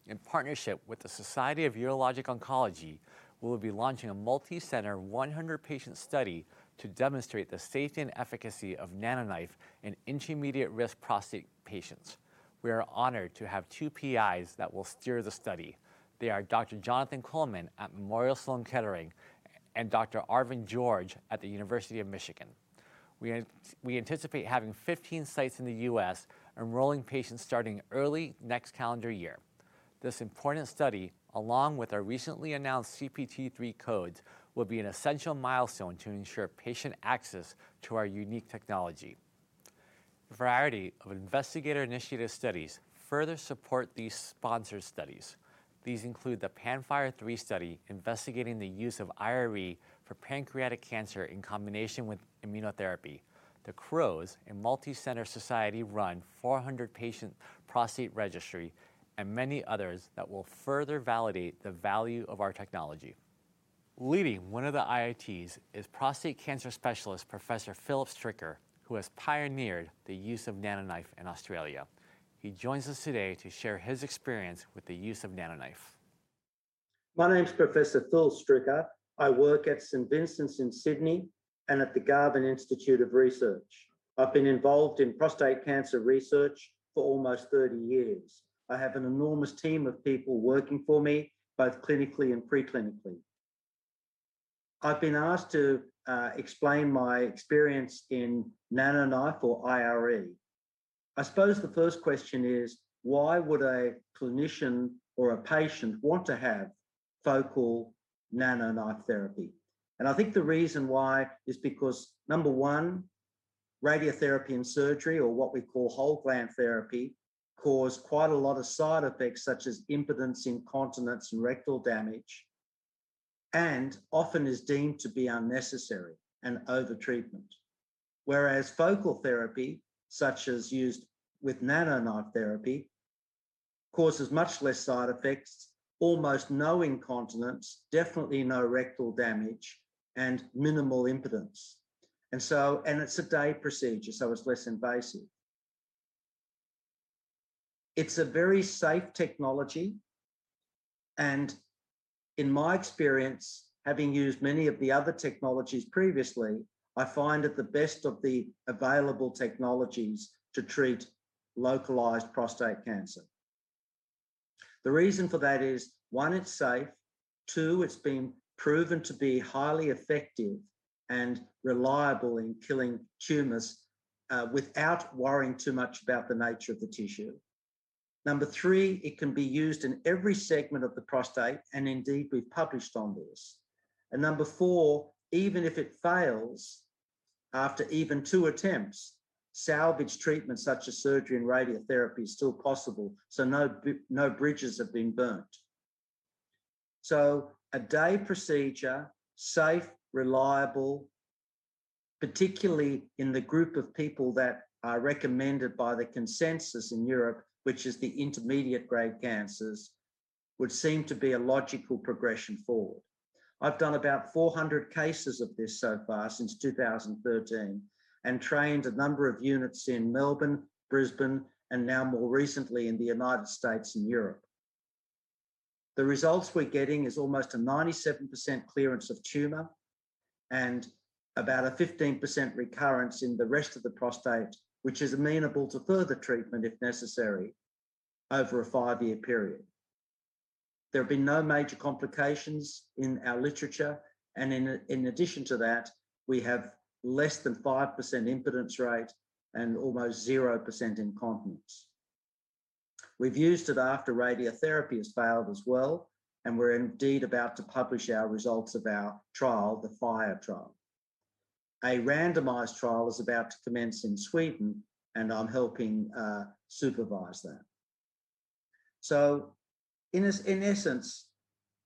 In partnership with the Society of Urologic Oncology, we will be launching a multi-center 100-patient study to demonstrate the safety and efficacy of NanoKnife in intermediate-risk prostate patients. We are honored to have two PIs that will steer the study. They are Dr. Jonathan Coleman at Memorial Sloan Kettering and Dr. Arvin George at the University of Michigan. We anticipate having 15 sites in the U.S. enrolling patients starting early next calendar year. This important study, along with our recently announced CPT Category III codes, will be an essential milestone to ensure patient access to our unique technology. A variety of investigator-initiated studies further support these sponsored studies. These include the PANFIRE-3 study investigating the use of IRE for pancreatic cancer in combination with immunotherapy, the CROWS, a multi-center society-run 400-patient prostate registry, and many others that will further validate the value of our technology. Leading one of the IITs is prostate cancer specialist Professor Phillip Stricker, who has pioneered the use of NanoKnife in Australia. He joins us today to share his experience with the use of NanoKnife. My name's Professor Phil Stricker. I work at St. Vincent's in Sydney and at the Garvan Institute of Medical Research. I've been involved in prostate cancer research for almost 30 years. I have an enormous team of people working for me, both clinically and pre-clinically. I've been asked to explain my experience in NanoKnife or IRE. I suppose the first question is, why would a clinician or a patient want to have focal NanoKnife therapy? I think the reason why is because, number one, radiotherapy and surgery, or what we call whole-gland therapy, cause quite a lot of side effects such as impotence, incontinence, and rectal damage, and often is deemed to be unnecessary and overtreatment. Whereas focal therapy, such as used with NanoKnife therapy, causes much less side effects, almost no incontinence, definitely no rectal damage, and minimal impotence. It's a day procedure, so it's less invasive. It's a very safe technology, and in my experience, having used many of the other technologies previously, I find it the best of the available technologies to treat localized prostate cancer. The reason for that is, one, it's safe. two, it's been proven to be highly effective and reliable in killing tumors without worrying too much about the nature of the tissue. Number three, it can be used in every segment of the prostate, and indeed, we've published on this. Number four, even if it fails after even two attempts, salvage treatment such as surgery and radiotherapy is still possible. No bridges have been burnt. A day procedure, safe, reliable, particularly in the group of people that are recommended by the consensus in Europe, which is the intermediate-grade cancers, would seem to be a logical progression forward. I've done about 400 cases of this so far since 2013 and trained a number of units in Melbourne, Brisbane, and now more recently in the U.S. and Europe. The results we're getting is almost a 97% clearance of tumor and about a 15% recurrence in the rest of the prostate, which is amenable to further treatment if necessary over a five-year period. There have been no major complications in our literature. In addition to that, we have less than 5% impotence rate and almost 0% incontinence. We've used it after radiotherapy has failed as well, and we're indeed about to publish our results of our trial, the FIRE trial. A randomized trial is about to commence in Sweden, and I'm helping supervise that. In essence,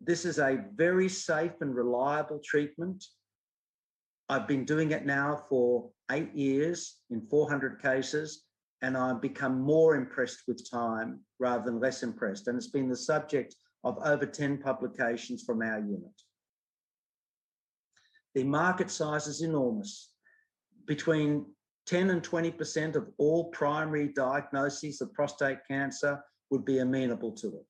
this is a very safe and reliable treatment. I've been doing it now for 8 years in 400 cases, and I've become more impressed with time rather than less impressed, and it's been the subject of over 10 publications from our unit. The market size is enormous. Between 10%-20% of all primary diagnoses of prostate cancer would be amenable to it.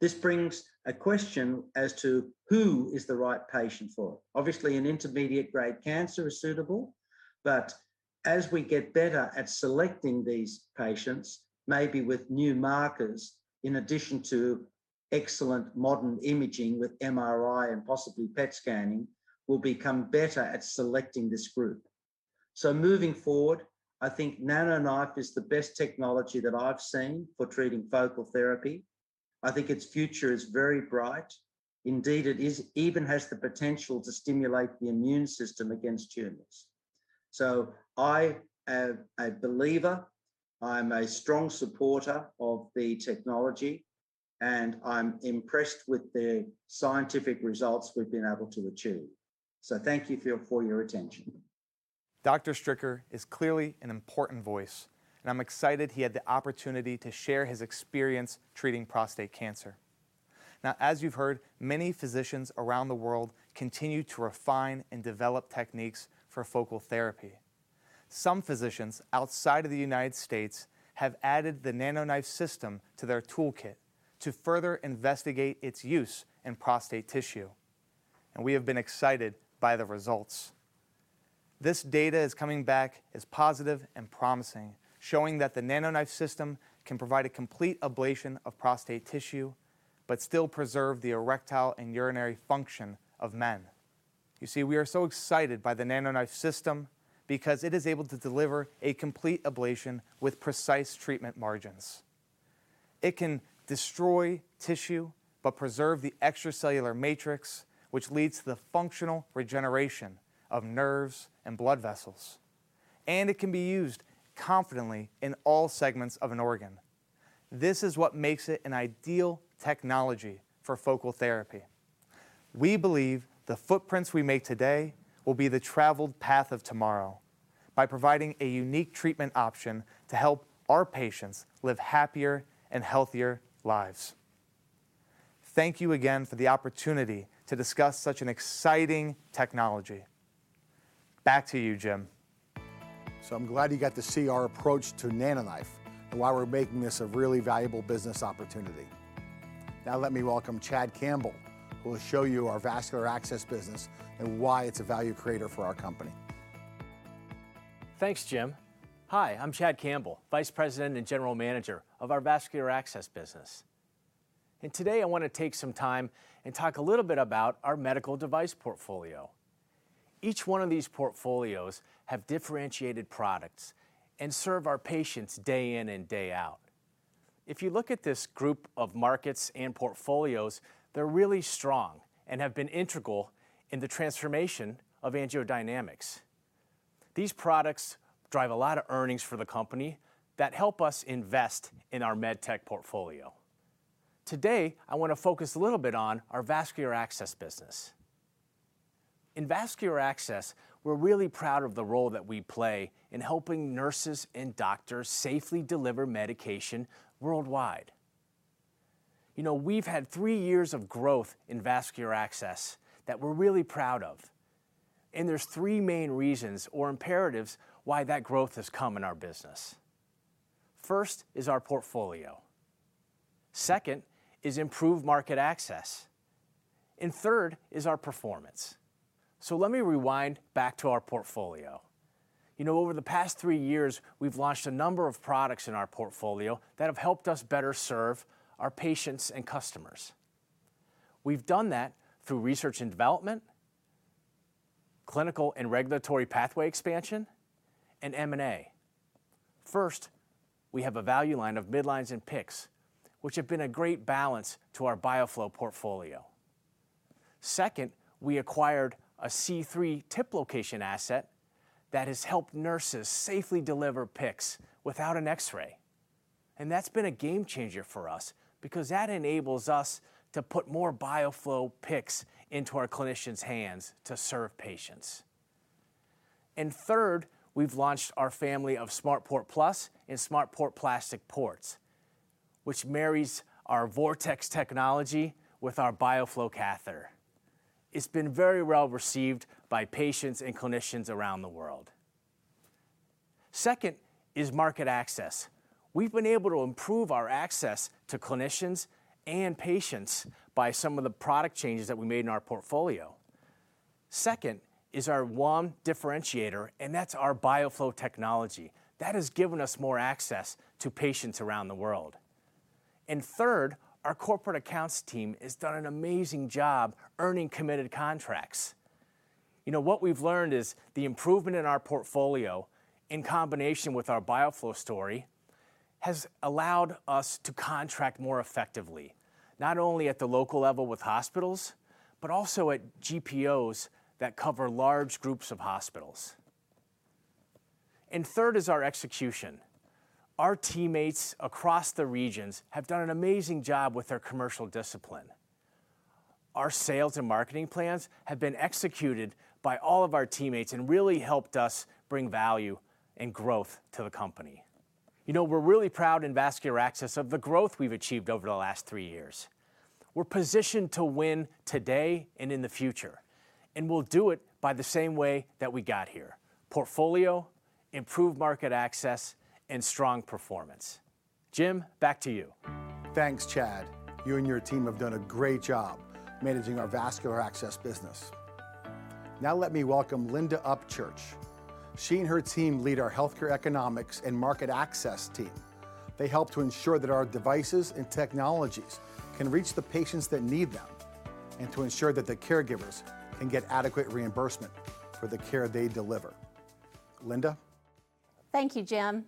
This brings a question as to who is the right patient for it. Obviously, an intermediate-grade cancer is suitable, but as we get better at selecting these patients, maybe with new markers, in addition to excellent modern imaging with MRI and possibly PET scanning, we'll become better at selecting this group. Moving forward, I think NanoKnife is the best technology that I've seen for treating focal therapy. I think its future is very bright. Indeed, it even has the potential to stimulate the immune system against tumors. I am a believer, I'm a strong supporter of the technology, and I'm impressed with the scientific results we've been able to achieve. Thank you for your attention. Dr. Stricker is clearly an important voice, and I'm excited he had the opportunity to share his experience treating prostate cancer. Now, as you've heard, many physicians around the world continue to refine and develop techniques for focal therapy. Some physicians outside of the United States have added the NanoKnife system to their toolkit to further investigate its use in prostate tissue, and we have been excited by the results. This data is coming back as positive and promising, showing that the NanoKnife system can provide a complete ablation of prostate tissue but still preserve the erectile and urinary function of men. You see, we are so excited by the NanoKnife system because it is able to deliver a complete ablation with precise treatment margins. It can destroy tissue but preserve the extracellular matrix, which leads to the functional regeneration of nerves and blood vessels, and it can be used confidently in all segments of an organ. This is what makes it an ideal technology for focal therapy. We believe the footprints we make today will be the traveled path of tomorrow by providing a unique treatment option to help our patients live happier and healthier lives. Thank you again for the opportunity to discuss such an exciting technology. Back to you, Jim. I'm glad you got to see our approach to NanoKnife and why we're making this a really valuable business opportunity. Now let me welcome Chad Campbell, who will show you our vascular access business and why it's a value creator for our company. Thanks, Jim. Hi, I'm Chad Campbell, Vice President and General Manager of our vascular access business. Today, I want to take some time and talk a little bit about our medical device portfolio. Each one of these portfolios have differentiated products and serve our patients day in and day out. If you look at this group of markets and portfolios, they're really strong and have been integral in the transformation of AngioDynamics. These products drive a lot of earnings for the company that help us invest in our med tech portfolio. Today, I want to focus a little bit on our vascular access business. In vascular access, we're really proud of the role that we play in helping nurses and doctors safely deliver medication worldwide. We've had three years of growth in vascular access that we're really proud of. There's three main reasons or imperatives why that growth has come in our business. First is our portfolio, second is improved market access. Third is our performance. Let me rewind back to our portfolio. Over the past three years, we've launched a number of products in our portfolio that have helped us better serve our patients and customers. We've done that through research and development, clinical and regulatory pathway expansion, and M&A. First, we have a value line of midlines and PICCs, which have been a great balance to our BioFlo portfolio. Second, we acquired a C3 Wave that has helped nurses safely deliver PICCs without an X-ray, and that's been a game changer for us because that enables us to put more BioFlo PICCs into our clinicians' hands to serve patients. Third, we've launched our family of SmartPort+ and SmartPort plastic ports, which marries our Vortex technology with our BioFlo catheter. It's been very well received by patients and clinicians around the world. Second is market access. We've been able to improve our access to clinicians and patients by some of the product changes that we made in our portfolio. Second is our one differentiator, and that's our BioFlo technology. That has given us more access to patients around the world. Third, our corporate accounts team has done an amazing job earning committed contracts. What we've learned is the improvement in our portfolio, in combination with our BioFlo story, has allowed us to contract more effectively, not only at the local level with hospitals, but also at GPOs that cover large groups of hospitals. Third is our execution. Our teammates across the regions have done an amazing job with their commercial discipline. Our sales and marketing plans have been executed by all of our teammates and really helped us bring value and growth to the company. We're really proud in vascular access of the growth we've achieved over the last three years. We're positioned to win today and in the future. We'll do it by the same way that we got here, portfolio, improved market access, and strong performance. Jim, back to you. Thanks, Chad. You and your team have done a great job managing our vascular access business. Now let me welcome Linda Upchurch. She and her team lead our healthcare economics and market access team. They help to ensure that our devices and technologies can reach the patients that need them, and to ensure that the caregivers can get adequate reimbursement for the care they deliver. Linda? Thank you, Jim.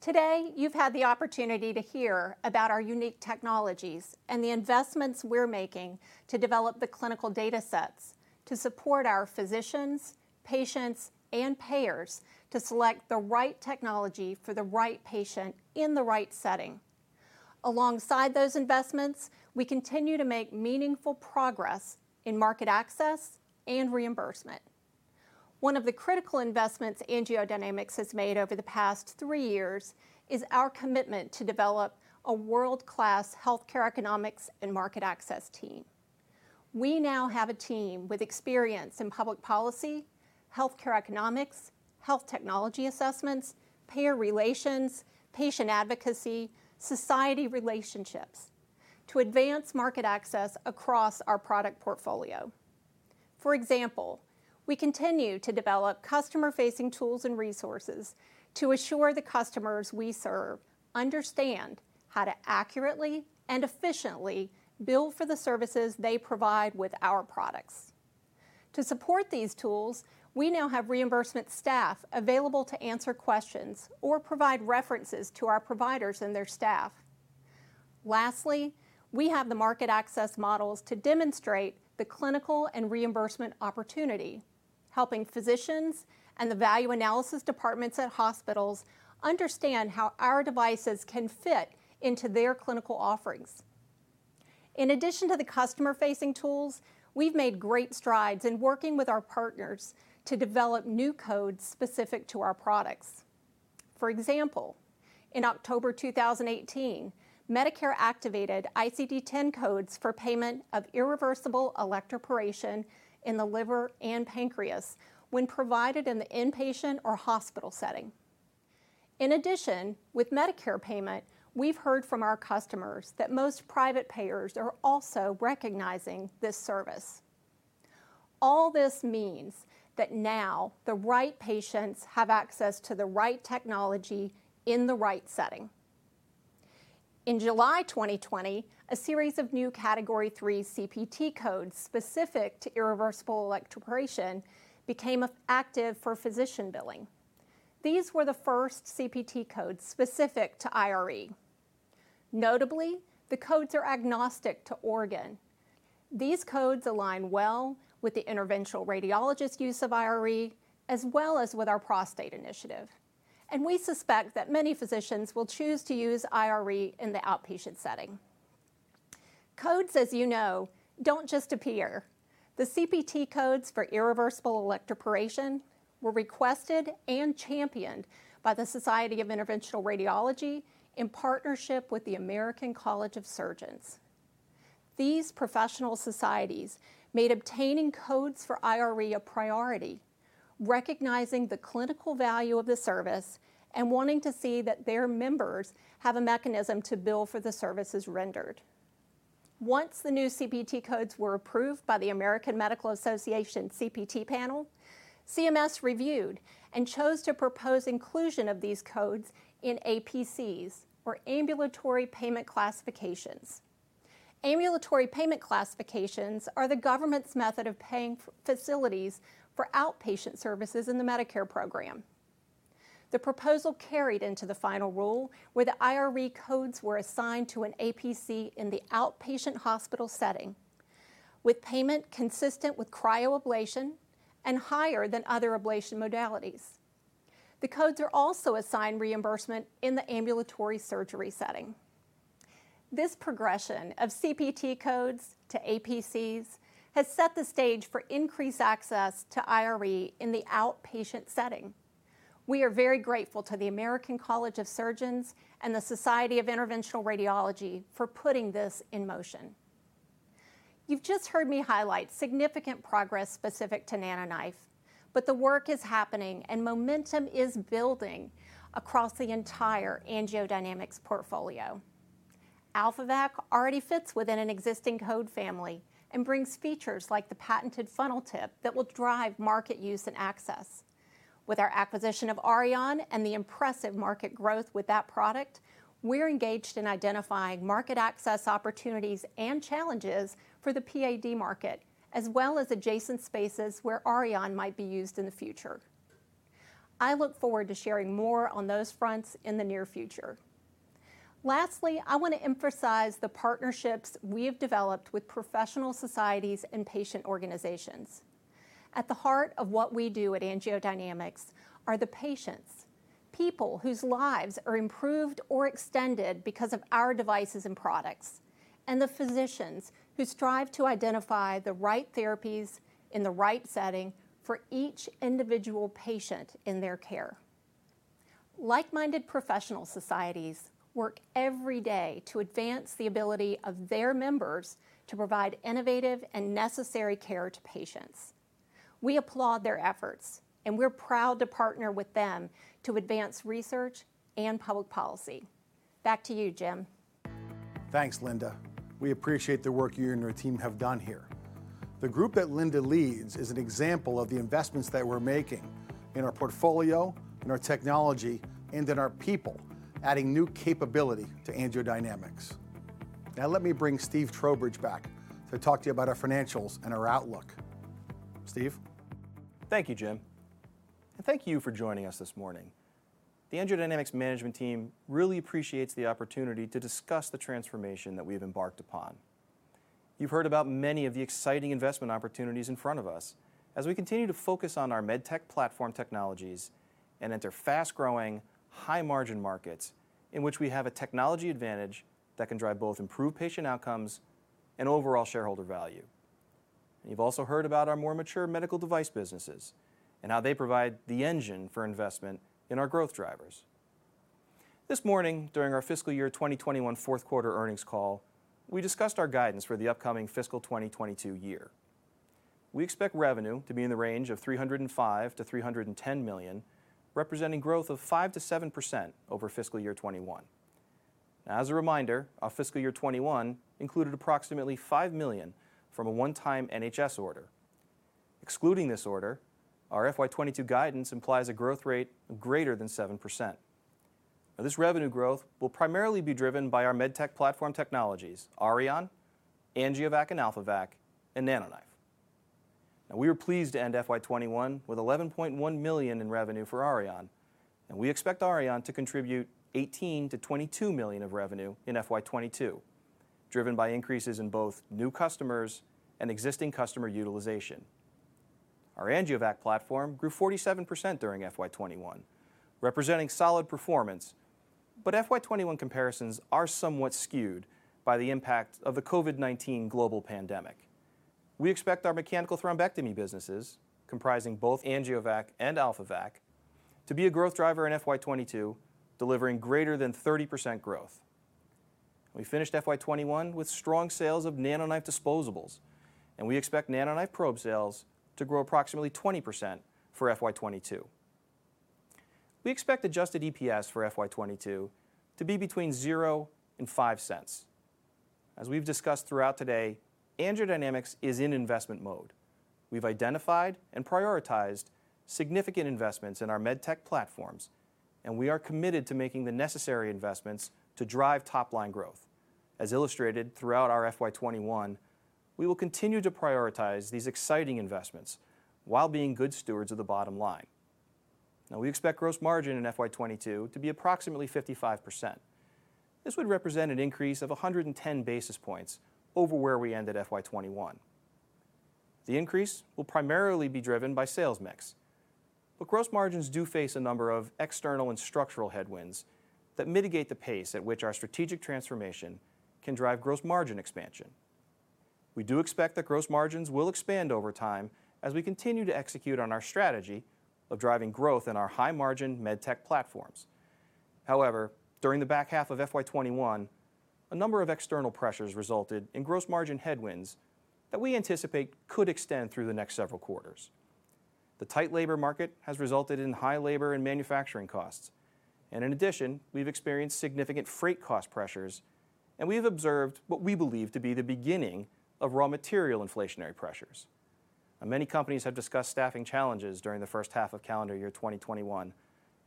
Today, you've had the opportunity to hear about our unique technologies and the investments we're making to develop the clinical data sets to support our physicians, patients, and payers to select the right technology for the right patient in the right setting. Alongside those investments, we continue to make meaningful progress in market access and reimbursement. One of the critical investments AngioDynamics has made over the past three years is our commitment to develop a world-class healthcare economics and market access team. We now have a team with experience in public policy, healthcare economics, health technology assessments, payer relations, patient advocacy, society relationships, to advance market access across our product portfolio. For example, we continue to develop customer-facing tools and resources to assure the customers we serve understand how to accurately and efficiently bill for the services they provide with our products. To support these tools, we now have reimbursement staff available to answer questions or provide references to our providers and their staff. Lastly, we have the market access models to demonstrate the clinical and reimbursement opportunity, helping physicians and the value analysis departments at hospitals understand how our devices can fit into their clinical offerings. In addition to the customer-facing tools, we've made great strides in working with our partners to develop new codes specific to our products. For example, in October 2018, Medicare activated ICD-10 codes for payment of irreversible electroporation in the liver and pancreas when provided in an inpatient or hospital setting. In addition, with Medicare payment, we've heard from our customers that most private payers are also recognizing this service. All this means that now the right patients have access to the right technology in the right setting. In July 2020, a series of new Category III CPT codes specific to irreversible electroporation became active for physician billing. These were the first CPT codes specific to IRE. Notably, the codes are agnostic to organ. These codes align well with the interventional radiologist use of IRE, as well as with our prostate initiative. We suspect that many physicians will choose to use IRE in the outpatient setting. Codes, as you know, don't just appear. The CPT codes for irreversible electroporation were requested and championed by the Society of Interventional Radiology in partnership with the American College of Surgeons. These professional societies made obtaining codes for IRE a priority, recognizing the clinical value of the service and wanting to see that their members have a mechanism to bill for the services rendered. Once the new CPT codes were approved by the American Medical Association CPT panel, CMS reviewed and chose to propose inclusion of these codes in APCs, or Ambulatory Payment Classifications. Ambulatory Payment Classifications are the government's method of paying facilities for outpatient services in the Medicare program. The proposal carried into the final rule where the IRE codes were assigned to an APC in the outpatient hospital setting, with payment consistent with cryoablation and higher than other ablation modalities. The codes are also assigned reimbursement in the ambulatory surgery setting. This progression of CPT codes to APCs has set the stage for increased access to IRE in the outpatient setting. We are very grateful to the American College of Surgeons and the Society of Interventional Radiology for putting this in motion. You've just heard me highlight significant progress specific to NanoKnife, the work is happening and momentum is building across the entire AngioDynamics portfolio. AlphaVac already fits within an existing code family and brings features like the patented funnel tip that will drive market use and access. With our acquisition of Auryon and the impressive market growth with that product, we're engaged in identifying market access opportunities and challenges for the PAD market, as well as adjacent spaces where Auryon might be used in the future. I look forward to sharing more on those fronts in the near future. Lastly, I want to emphasize the partnerships we have developed with professional societies and patient organizations. At the heart of what we do at AngioDynamics are the patients, people whose lives are improved or extended because of our devices and products, and the physicians who strive to identify the right therapies in the right setting for each individual patient in their care. Like-minded professional societies work every day to advance the ability of their members to provide innovative and necessary care to patients. We applaud their efforts, and we're proud to partner with them to advance research and public policy. Back to you, Jim. Thanks, Linda. We appreciate the work you and your team have done here. The group that Linda leads is an example of the investments that we're making in our portfolio, in our technology, and in our people, adding new capability to AngioDynamics. Now let me bring Stephen Trowbridge back to talk to you about our financials and our outlook. Stephen? Thank you, Jim. Thank you for joining us this morning. The AngioDynamics management team really appreciates the opportunity to discuss the transformation that we've embarked upon. You've heard about many of the exciting investment opportunities in front of us as we continue to focus on our med tech platform technologies and into fast-growing, high-margin markets in which we have a technology advantage that can drive both improved patient outcomes and overall shareholder value. You've also heard about our more mature medical device businesses and how they provide the engine for investment in our growth drivers. This morning, during our fiscal year 2021 fourth quarter earnings call, we discussed our guidance for the upcoming fiscal 2022 year. We expect revenue to be in the range of $305 million-$310 million, representing growth of 5%-7% over fiscal year 2021. As a reminder, our fiscal year 2021 included approximately $5 million from a one-time NHS order. Excluding this order, our FY 2022 guidance implies a growth rate of greater than 7%. This revenue growth will primarily be driven by our med tech platform technologies, Auryon, AngioVac and AlphaVac, and NanoKnife. We are pleased to end FY 2021 with $11.1 million in revenue for Auryon, and we expect Auryon to contribute $18 million-$22 million of revenue in FY 2022, driven by increases in both new customers and existing customer utilization. Our AngioVac platform grew 47% during FY 2021, representing solid performance, FY 2021 comparisons are somewhat skewed by the impact of the COVID-19 global pandemic. We expect our mechanical thrombectomy businesses, comprising both AngioVac and AlphaVac, to be a growth driver in FY 2022, delivering greater than 30% growth. We finished FY 2021 with strong sales of NanoKnife disposables, and we expect NanoKnife probe sales to grow approximately 20% for FY 2022. We expect adjusted EPS for FY 2022 to be between $0.00 and $0.05. As we've discussed throughout today, AngioDynamics is in investment mode. We've identified and prioritized significant investments in our med tech platforms, and we are committed to making the necessary investments to drive top-line growth. As illustrated throughout our FY 2021, we will continue to prioritize these exciting investments while being good stewards of the bottom line. Now, we expect gross margin in FY 2022 to be approximately 55%. This would represent an increase of 110 basis points over where we ended FY 2021. The increase will primarily be driven by sales mix, but gross margins do face a number of external and structural headwinds that mitigate the pace at which our strategic transformation can drive gross margin expansion. We do expect that gross margins will expand over time as we continue to execute on our strategy of driving growth in our high-margin med tech platforms. However, during the back half of FY 2021, a number of external pressures resulted in gross margin headwinds that we anticipate could extend through the next several quarters. The tight labor market has resulted in high labor and manufacturing costs, and in addition, we've experienced significant freight cost pressures, and we've observed what we believe to be the beginning of raw material inflationary pressures. Many companies have discussed staffing challenges during the first half of calendar year 2021,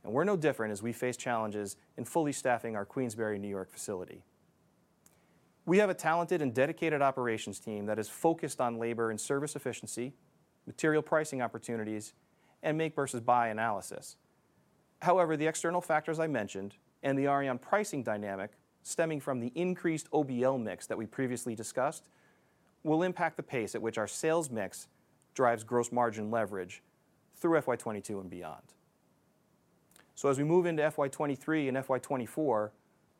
and we're no different as we face challenges in fully staffing our Queensbury, N.Y. facility. We have a talented and dedicated operations team that is focused on labor and service efficiency, material pricing opportunities, and make versus buy analysis. However, the external factors I mentioned and the Auryon pricing dynamic stemming from the increased OBL mix that we previously discussed will impact the pace at which our sales mix drives gross margin leverage through FY 2022 and beyond. As we move into FY 2023 and FY 2024,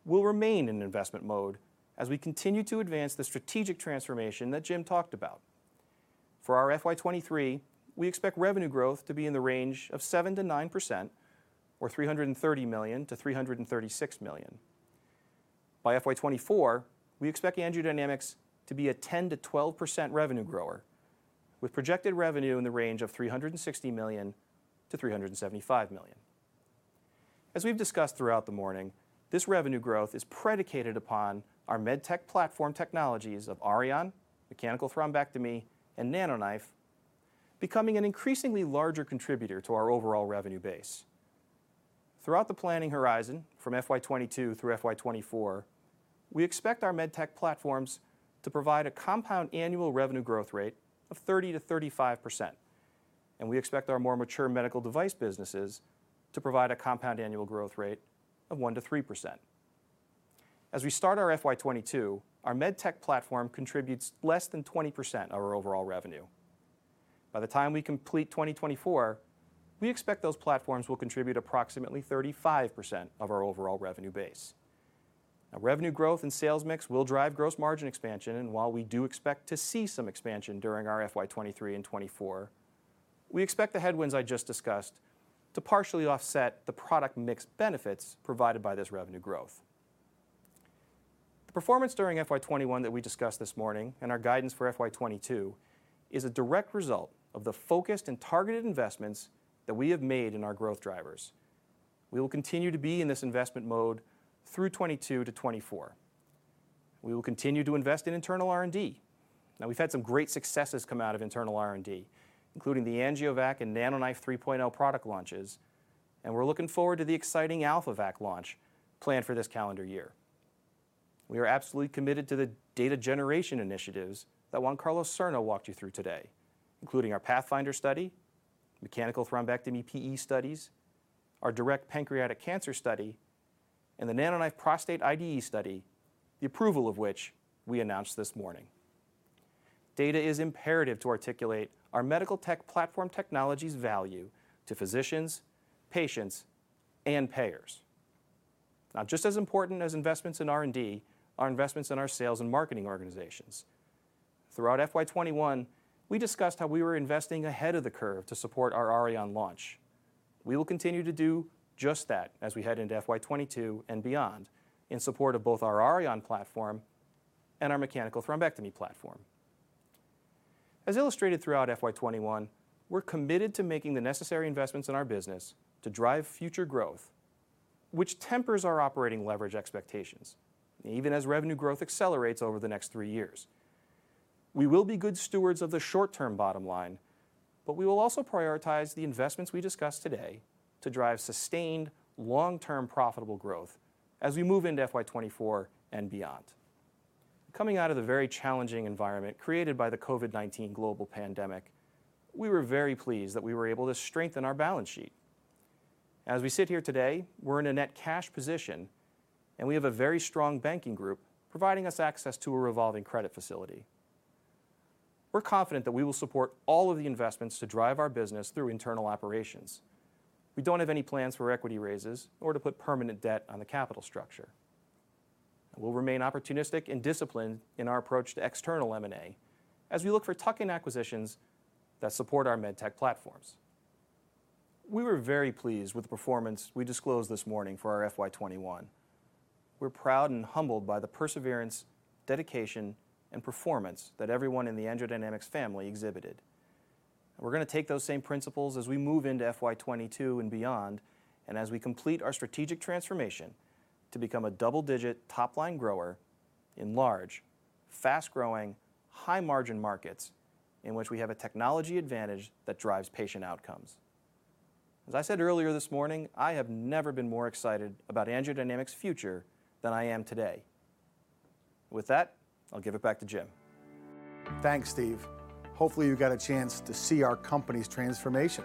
we'll remain in investment mode as we continue to advance the strategic transformation that Jim talked about. For our FY 2023, we expect revenue growth to be in the range of 7%-9%, or $330 million-$336 million. By FY 2024, we expect AngioDynamics to be a 10%-12% revenue grower with projected revenue in the range of $360 million-$375 million. As we've discussed throughout the morning, this revenue growth is predicated upon our med tech platform technologies of Auryon, mechanical thrombectomy, and NanoKnife becoming an increasingly larger contributor to our overall revenue base. Throughout the planning horizon from FY 2022 through FY 2024, we expect our med tech platforms to provide a compound annual revenue growth rate of 30%-35%, and we expect our more mature medical device businesses to provide a compound annual growth rate of 1%-3%. As we start our FY 2022, our med tech platform contributes less than 20% of our overall revenue. By the time we complete 2024, we expect those platforms will contribute approximately 35% of our overall revenue base. Now revenue growth and sales mix will drive gross margin expansion. While we do expect to see some expansion during our FY 2023 and 2024, we expect the headwinds I just discussed to partially offset the product mix benefits provided by this revenue growth. Performance during FY 2021 that we discussed this morning and our guidance for FY 2022 is a direct result of the focused and targeted investments that we have made in our growth drivers. We will continue to be in this investment mode through 2022 to 2024. We will continue to invest in internal R&D. We've had some great successes come out of internal R&D, including the AngioVac and NanoKnife 3.0 product launches, and we're looking forward to the exciting AlphaVac launch planned for this calendar year. We are absolutely committed to the data generation initiatives that Juan Carlos Serna walked you through today, including our Pathfinder study, mechanical thrombectomy PE studies, our DIRECT Study, and the NanoKnife prostate IDE study, the approval of which we announced this morning. Data is imperative to articulate our medical platform technology's value to physicians, patients, and payers. Just as important as investments in R&D are investments in our sales and marketing organizations. Throughout FY 2021, we discussed how we were investing ahead of the curve to support our Auryon launch. We will continue to do just that as we head into FY 2022 and beyond in support of both our Auryon platform and our mechanical thrombectomy platform. As illustrated throughout FY 2021, we're committed to making the necessary investments in our business to drive future growth, which tempers our operating leverage expectations, even as revenue growth accelerates over the next 3 years. We will be good stewards of the short-term bottom line, we will also prioritize the investments we discussed today to drive sustained long-term profitable growth as we move into FY 2024 and beyond. Coming out of the very challenging environment created by the COVID-19 global pandemic, we were very pleased that we were able to strengthen our balance sheet. We're in a net cash position, and we have a very strong banking group providing us access to a revolving credit facility. We're confident that we will support all of the investments to drive our business through internal operations. We don't have any plans for equity raises or to put permanent debt on the capital structure. We'll remain opportunistic and disciplined in our approach to external M&A as we look for tuck-in acquisitions that support our med tech platforms. We were very pleased with the performance we disclosed this morning for our FY 2021. We're proud and humbled by the perseverance, dedication, and performance that everyone in the AngioDynamics family exhibited. We're going to take those same principles as we move into FY 2022 and beyond, as we complete our strategic transformation to become a double-digit top-line grower in large, fast-growing, high-margin markets in which we have a technology advantage that drives patient outcomes. As I said earlier this morning, I have never been more excited about AngioDynamics' future than I am today. With that, I'll give it back to Jim. Thanks, Steve. Hopefully, you got a chance to see our company's transformation.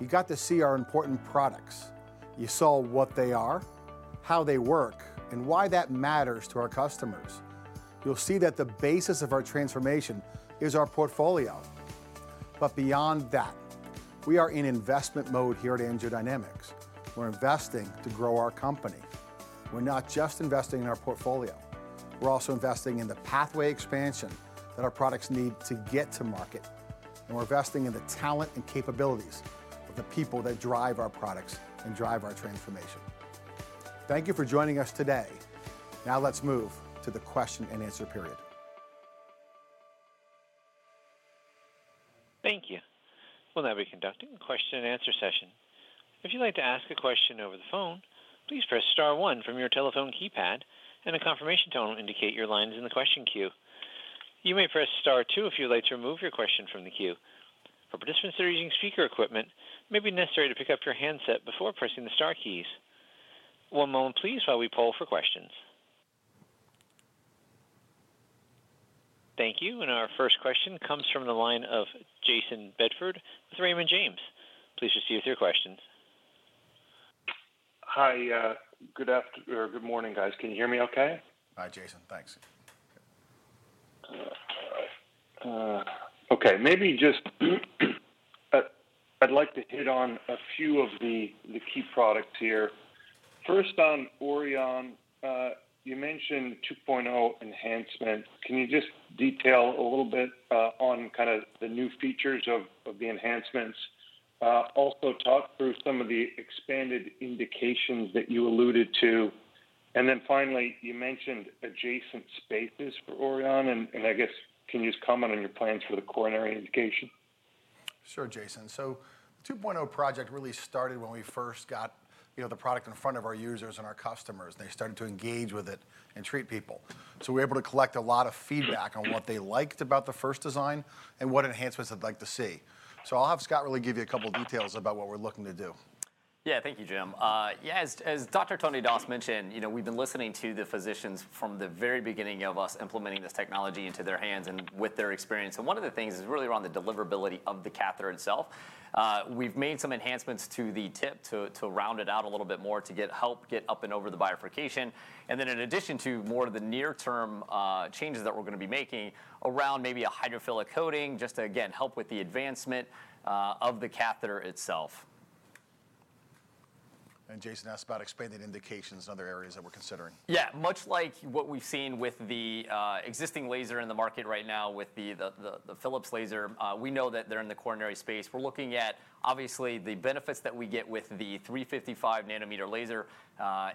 You got to see our important products. You saw what they are, how they work, and why that matters to our customers. You'll see that the basis of our transformation is our portfolio. Beyond that, we are in investment mode here at AngioDynamics. We're investing to grow our company. We're not just investing in our portfolio. We're also investing in the pathway expansion that our products need to get to market. We're investing in the talent and capabilities of the people that drive our products and drive our transformation. Thank you for joining us today. Now let's move to the question and answer period. Thank you. We'll now be conducting a question and answer session. Thank you. Our first question comes from the line of Jayson Bedford with Raymond James. Please proceed with your question. Hi. Good morning, guys. Can you hear me okay? Hi, Jayson. Thanks. Okay. Maybe just I'd like to hit on a few of the key products here. First on Auryon, you mentioned 2.0 enhancement. Can you just detail a little bit on kind of the new features of the enhancements? Also talk through some of the expanded indications that you alluded to. Then finally, you mentioned adjacent spaces for Auryon, and I guess can you just comment on your plans for the coronary indication? Sure, Jayson. The 2.0 project really started when we first got the product in front of our users and our customers, and they started to engage with it and treat people. We were able to collect a lot of feedback on what they liked about the first design and what enhancements they'd like to see. I'll have Scott really give you a couple details about what we're looking to do. Yeah. Thank you, Jim. Yeah, as Dr. Tony Das mentioned, we've been listening to the physicians from the very beginning of us implementing this technology into their hands and with their experience. One of the things is really around the deliverability of the catheter itself. We've made some enhancements to the tip to round it out a little bit more to help get up and over the bifurcation. In addition to more of the near-term changes that we're going to be making around maybe a hydrophilic coating just to, again, help with the advancement of the catheter itself. Jayson asked about expanded indications in other areas that we're considering. Yeah. Much like what we've seen with the existing laser in the market right now with the Philips laser, we know that they're in the coronary space. We're looking at, obviously, the benefits that we get with the 355 nanometer laser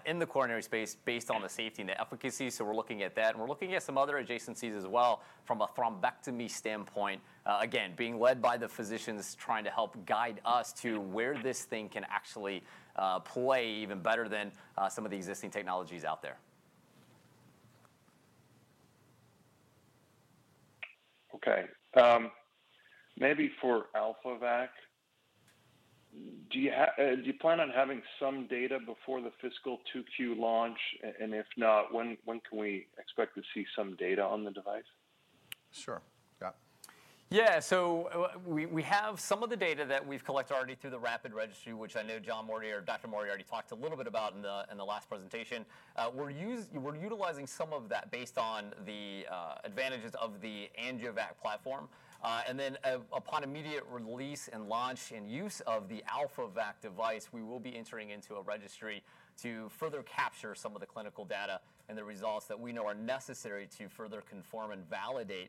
in the coronary space based on the safety and the efficacy. We're looking at that, and we're looking at some other adjacencies as well from a thrombectomy standpoint. Again, being led by the physicians trying to help guide us to where this thing can actually play even better than some of the existing technologies out there. Okay. Maybe for AlphaVac, do you plan on having some data before the fiscal 2Q launch? If not, when can we expect to see some data on the device? Sure. Yeah. We have some of the data that we've collected already through the RAPID registry, which I know John Moriarty or Dr. Moriarty already talked a little bit about in the last presentation. We're utilizing some of that based on the advantages of the AngioVac platform. Upon immediate release and launch and use of the AlphaVac device, we will be entering into a registry to further capture some of the clinical data and the results that we know are necessary to further confirm and validate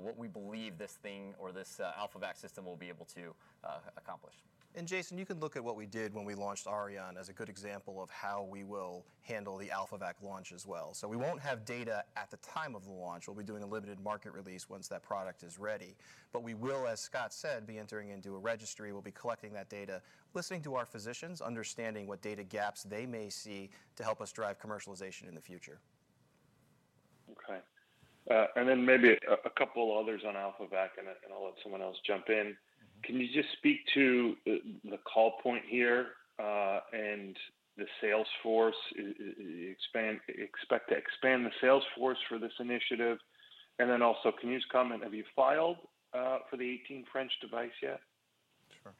what we believe this thing or this AlphaVac system will be able to accomplish. Jayson, you can look at what we did when we launched Auryon as a good example of how we will handle the AlphaVac launch as well. We won't have data at the time of the launch. We'll be doing a limited market release once that product is ready. We will, as Scott said, be entering into a registry. We'll be collecting that data, listening to our physicians, understanding what data gaps they may see to help us drive commercialization in the future. Okay. Then maybe a couple others on AlphaVac, and I'll let someone else jump in. Can you just speak to the call point here? Do you expect to expand the sales force for this initiative? Then also, can you just comment, have you filed for the 18 French device yet? Sure.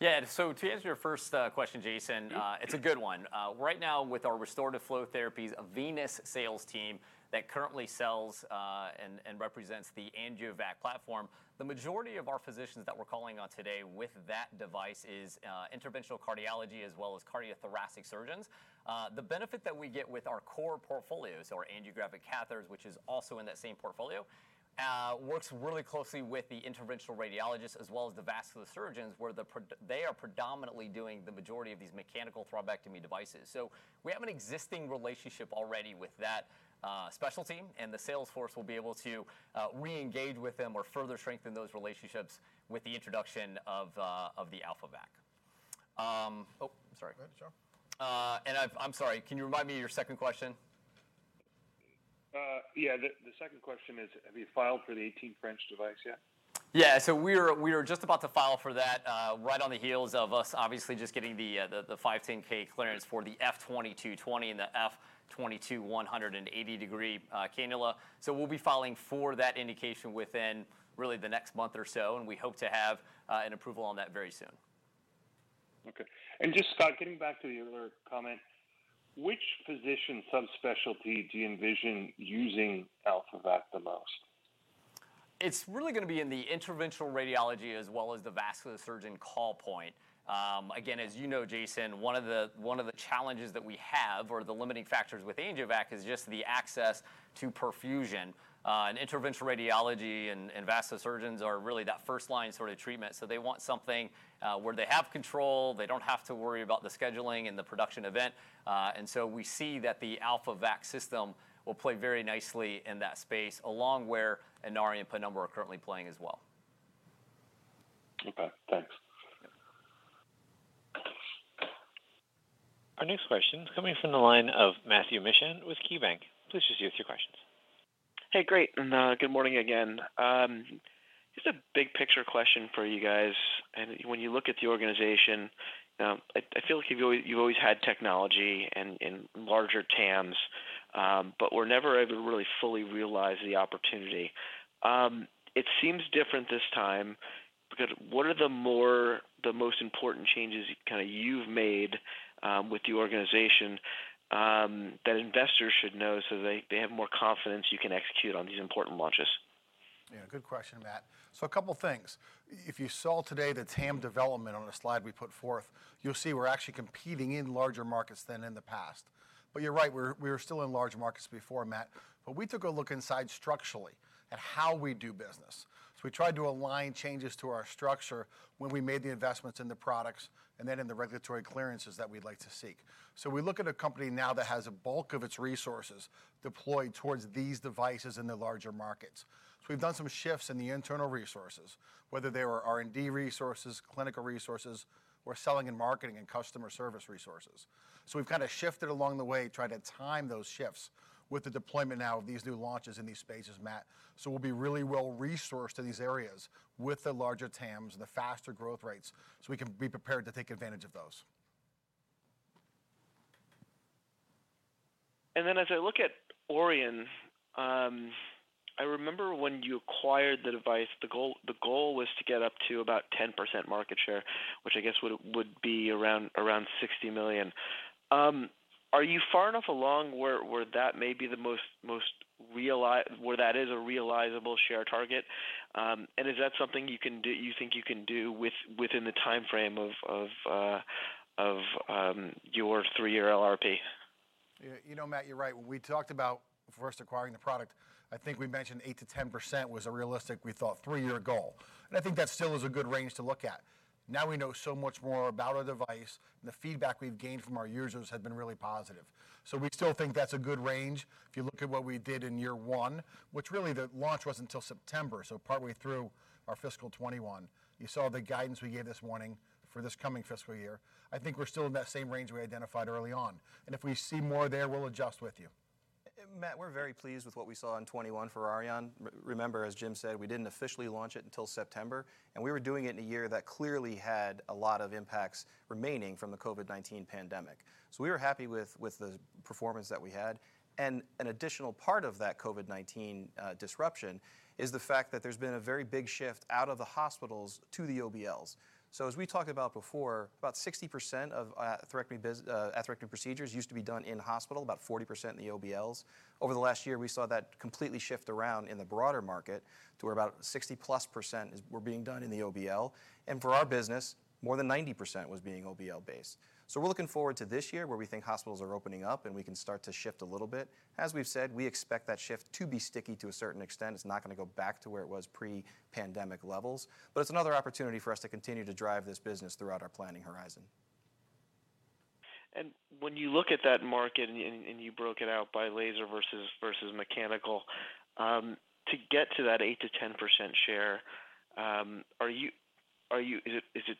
Yeah. To answer your 1st question, Jayson, it's a good one. Right now with our Restorative Flow therapies, a venous sales team that currently sells and represents the AngioVac platform, the majority of our physicians that we're calling on today with that device is interventional cardiology as well as cardiothoracic surgeons. The benefit that we get with our core portfolios, our angiographic catheters, which is also in that same portfolio, works really closely with the interventional radiologists as well as the vascular surgeons, where they are predominantly doing the majority of these mechanical thrombectomy devices. We have an existing relationship already with that special team, and the sales force will be able to re-engage with them or further strengthen those relationships with the introduction of the AlphaVac. Oh, sorry. Go ahead, John. I'm sorry, can you remind me of your second question? Yeah. The second question is, have you filed for the 18 French device yet? Yeah. We are just about to file for that right on the heels of us obviously just getting the 510(k) clearance for the F2220 and the F22180 degree cannula. We'll be filing for that indication within really the next month or so, and we hope to have an approval on that very soon. Okay. Just Scott, getting back to the other comment, which physician subspecialty do you envision using AlphaVac the most? It's really going to be in the interventional radiology as well as the vascular surgeon call point. As you know, Jayson, one of the challenges that we have or the limiting factors with AngioVac is just the access to perfusion. Interventional radiology and vascular surgeons are really that first-line sort of treatment. They want something where they have control, they don't have to worry about the scheduling and the production event. We see that the AlphaVac system will play very nicely in that space along where an Auryon and Penumbra are currently playing as well. Okay, thanks. Our next question is coming from the line of Matthew Mishan with KeyBanc. Please just give us your questions. Hey, great, good morning again. Just a big picture question for you guys. When you look at the organization, I feel like you've always had technology and larger TAMs, but were never able to really fully realize the opportunity. It seems different this time because what are the most important changes you've made with the organization that investors should know so they have more confidence you can execute on these important launches? Yeah, good question, Matt. A couple things. If you saw today the TAM development on a slide we put forth, you'll see we're actually competing in larger markets than in the past. You're right, we were still in large markets before, Matt, but we took a look inside structurally at how we do business. We tried to align changes to our structure when we made the investments in the products and then in the regulatory clearances that we'd like to seek. We look at a company now that has a bulk of its resources deployed towards these devices in the larger markets. We've done some shifts in the internal resources, whether they were R&D resources, clinical resources, or selling and marketing and customer service resources. We've kind of shifted along the way, tried to time those shifts with the deployment now of these new launches in these spaces, Matt. We'll be really well-resourced in these areas with the larger TAMs and the faster growth rates, so we can be prepared to take advantage of those. As I look at Auryon, I remember when you acquired the device, the goal was to get up to about 10% market share, which I guess would be around $60 million. Are you far enough along where that is a realizable share target? Is that something you think you can do within the timeframe of your three-year LRP? Matt, you're right. When we talked about first acquiring the product, I think we mentioned 8%-10% was a realistic, we thought, 3-year goal. I think that still is a good range to look at. Now we know so much more about our device, and the feedback we've gained from our users has been really positive. We still think that's a good range. If you look at what we did in year one, which really the launch wasn't until September, so partway through our fiscal 2021. You saw the guidance we gave this morning for this coming fiscal year. I think we're still in that same range we identified early on. If we see more there, we'll adjust with you. Matt, we're very pleased with what we saw in 2021 for Auryon. Remember, as Jim said, we didn't officially launch it until September, and we were doing it in a year that clearly had a lot of impacts remaining from the COVID-19 pandemic. We were happy with the performance that we had. An additional part of that COVID-19 disruption is the fact that there's been a very big shift out of the hospitals to the OBLs. As we talked about before, about 60% of atherectomy procedures used to be done in-hospital, about 40% in the OBLs. Over the last year, we saw that completely shift around in the broader market to where about 60-plus% were being done in the OBL. For our business, more than 90% was being OBL based. We're looking forward to this year where we think hospitals are opening up, and we can start to shift a little bit. As we've said, we expect that shift to be sticky to a certain extent. It's not going to go back to where it was pre-pandemic levels. It's another opportunity for us to continue to drive this business throughout our planning horizon. When you look at that market, and you broke it out by laser versus mechanical, to get to that 8%-10% share, is it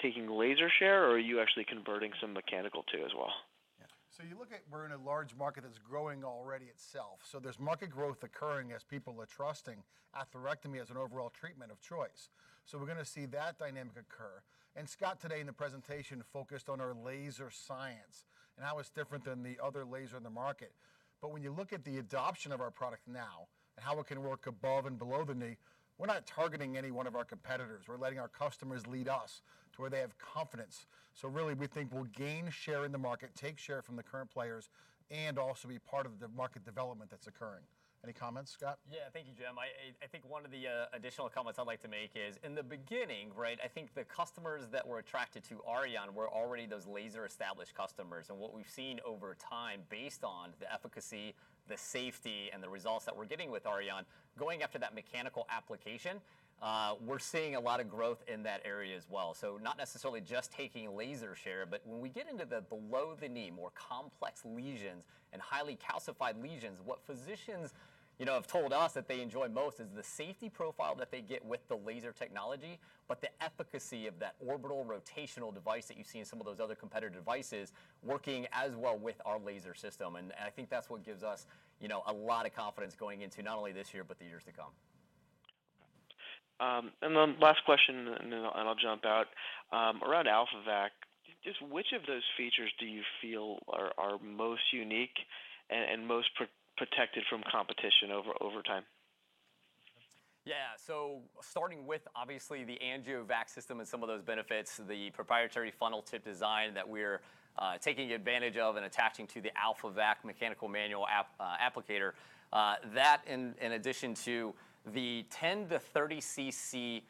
taking laser share, or are you actually converting some mechanical too as well? Yeah. You look at we're in a large market that's growing already itself. There's market growth occurring as people are trusting atherectomy as an overall treatment of choice. We're going to see that dynamic occur. Scott today in the presentation focused on our laser science and how it's different than the other laser in the market. When you look at the adoption of our product now and how it can work above and below the knee, we're not targeting any one of our competitors. We're letting our customers lead us to where they have confidence. Really, we think we'll gain share in the market, take share from the current players, and also be part of the market development that's occurring. Any comments, Scott? Thank you, Jim. I think one of the additional comments I'd like to make is in the beginning, I think the customers that were attracted to Auryon were already those laser-established customers. What we've seen over time, based on the efficacy, the safety, and the results that we're getting with Auryon, going after that mechanical application, we're seeing a lot of growth in that area as well. Not necessarily just taking laser share, but when we get into the below-the-knee, more complex lesions and highly calcified lesions, what physicians have told us that they enjoy most is the safety profile that they get with the laser technology, but the efficacy of that orbital rotational device that you see in some of those other competitor devices working as well with our laser system. I think that's what gives us a lot of confidence going into not only this year, but the years to come. Last question, and then I'll jump out. Around AlphaVac, just which of those features do you feel are most unique and most protected from competition over time? Starting with, obviously, the AngioVac system and some of those benefits, the proprietary funnel tip design that we're taking advantage of and attaching to the AlphaVac mechanical manual applicator. That in addition to the 10-30 cc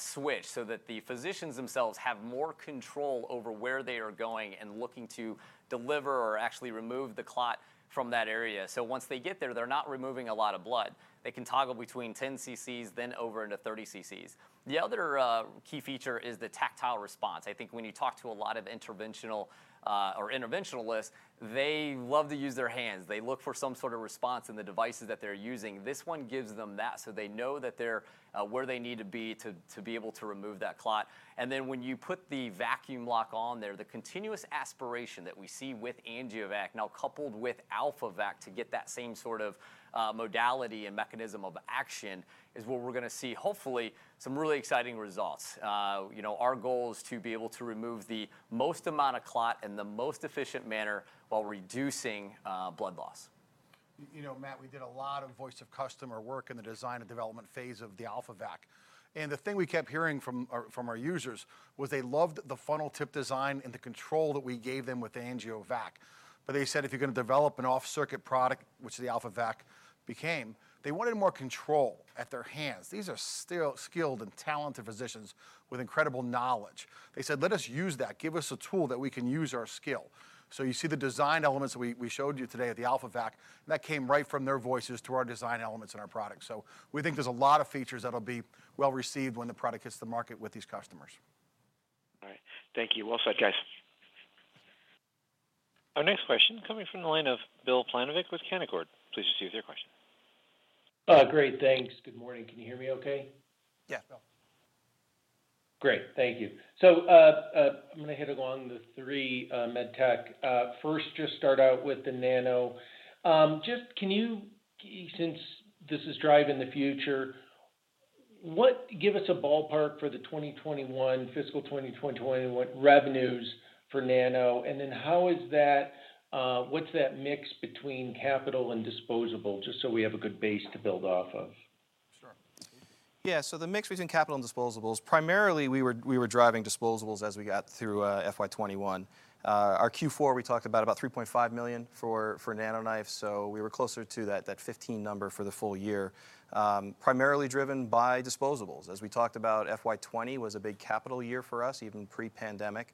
switch, so that the physicians themselves have more control over where they are going and looking to deliver or actually remove the clot from that area. Once they get there, they're not removing a lot of blood. They can toggle between 10 ccs then over into 30 ccs. The other key feature is the tactile response. I think when you talk to a lot of interventionalists, they love to use their hands. They look for some sort of response in the devices that they're using. This one gives them that, so they know that they're where they need to be to be able to remove that clot. When you put the vacuum lock on there, the continuous aspiration that we see with AngioVac now coupled with AlphaVac to get that same sort of modality and mechanism of action is what we're going to see, hopefully, some really exciting results. Our goal is to be able to remove the most amount of clot in the most efficient manner while reducing blood loss. Matt, we did a lot of voice of customer work in the design and development phase of the AlphaVac. The thing we kept hearing from our users was they loved the funnel tip design and the control that we gave them with AngioVac. They said if you're going to develop an off-circuit product, which the AlphaVac became, they wanted more control at their hands. These are skilled and talented physicians with incredible knowledge. They said, "Let us use that. Give us a tool that we can use our skill." You see the design elements we showed you today of the AlphaVac, that came right from their voices to our design elements in our product. We think there's a lot of features that'll be well received when the product hits the market with these customers. All right. Thank you. Well said, guys. Our next question coming from the line of Bill Plovanic with Canaccord. Please proceed with your question. Great. Thanks. Good morning. Can you hear me okay? Yeah. Great. Thank you. I'm going to hit along the 3 med tech. First, just start out with the Nano. Since this is driving the future, give us a ballpark for the 2021 fiscal 2021 revenues for Nano, and then what's that mix between capital and disposable, just so we have a good base to build off of? Yeah. The mix between capital and disposables, primarily we were driving disposables as we got through FY 2021. Our Q4, we talked about $3.5 million for NanoKnife. We were closer to that 15 number for the full year, primarily driven by disposables. As we talked about, FY 2020 was a big capital year for us, even pre-pandemic,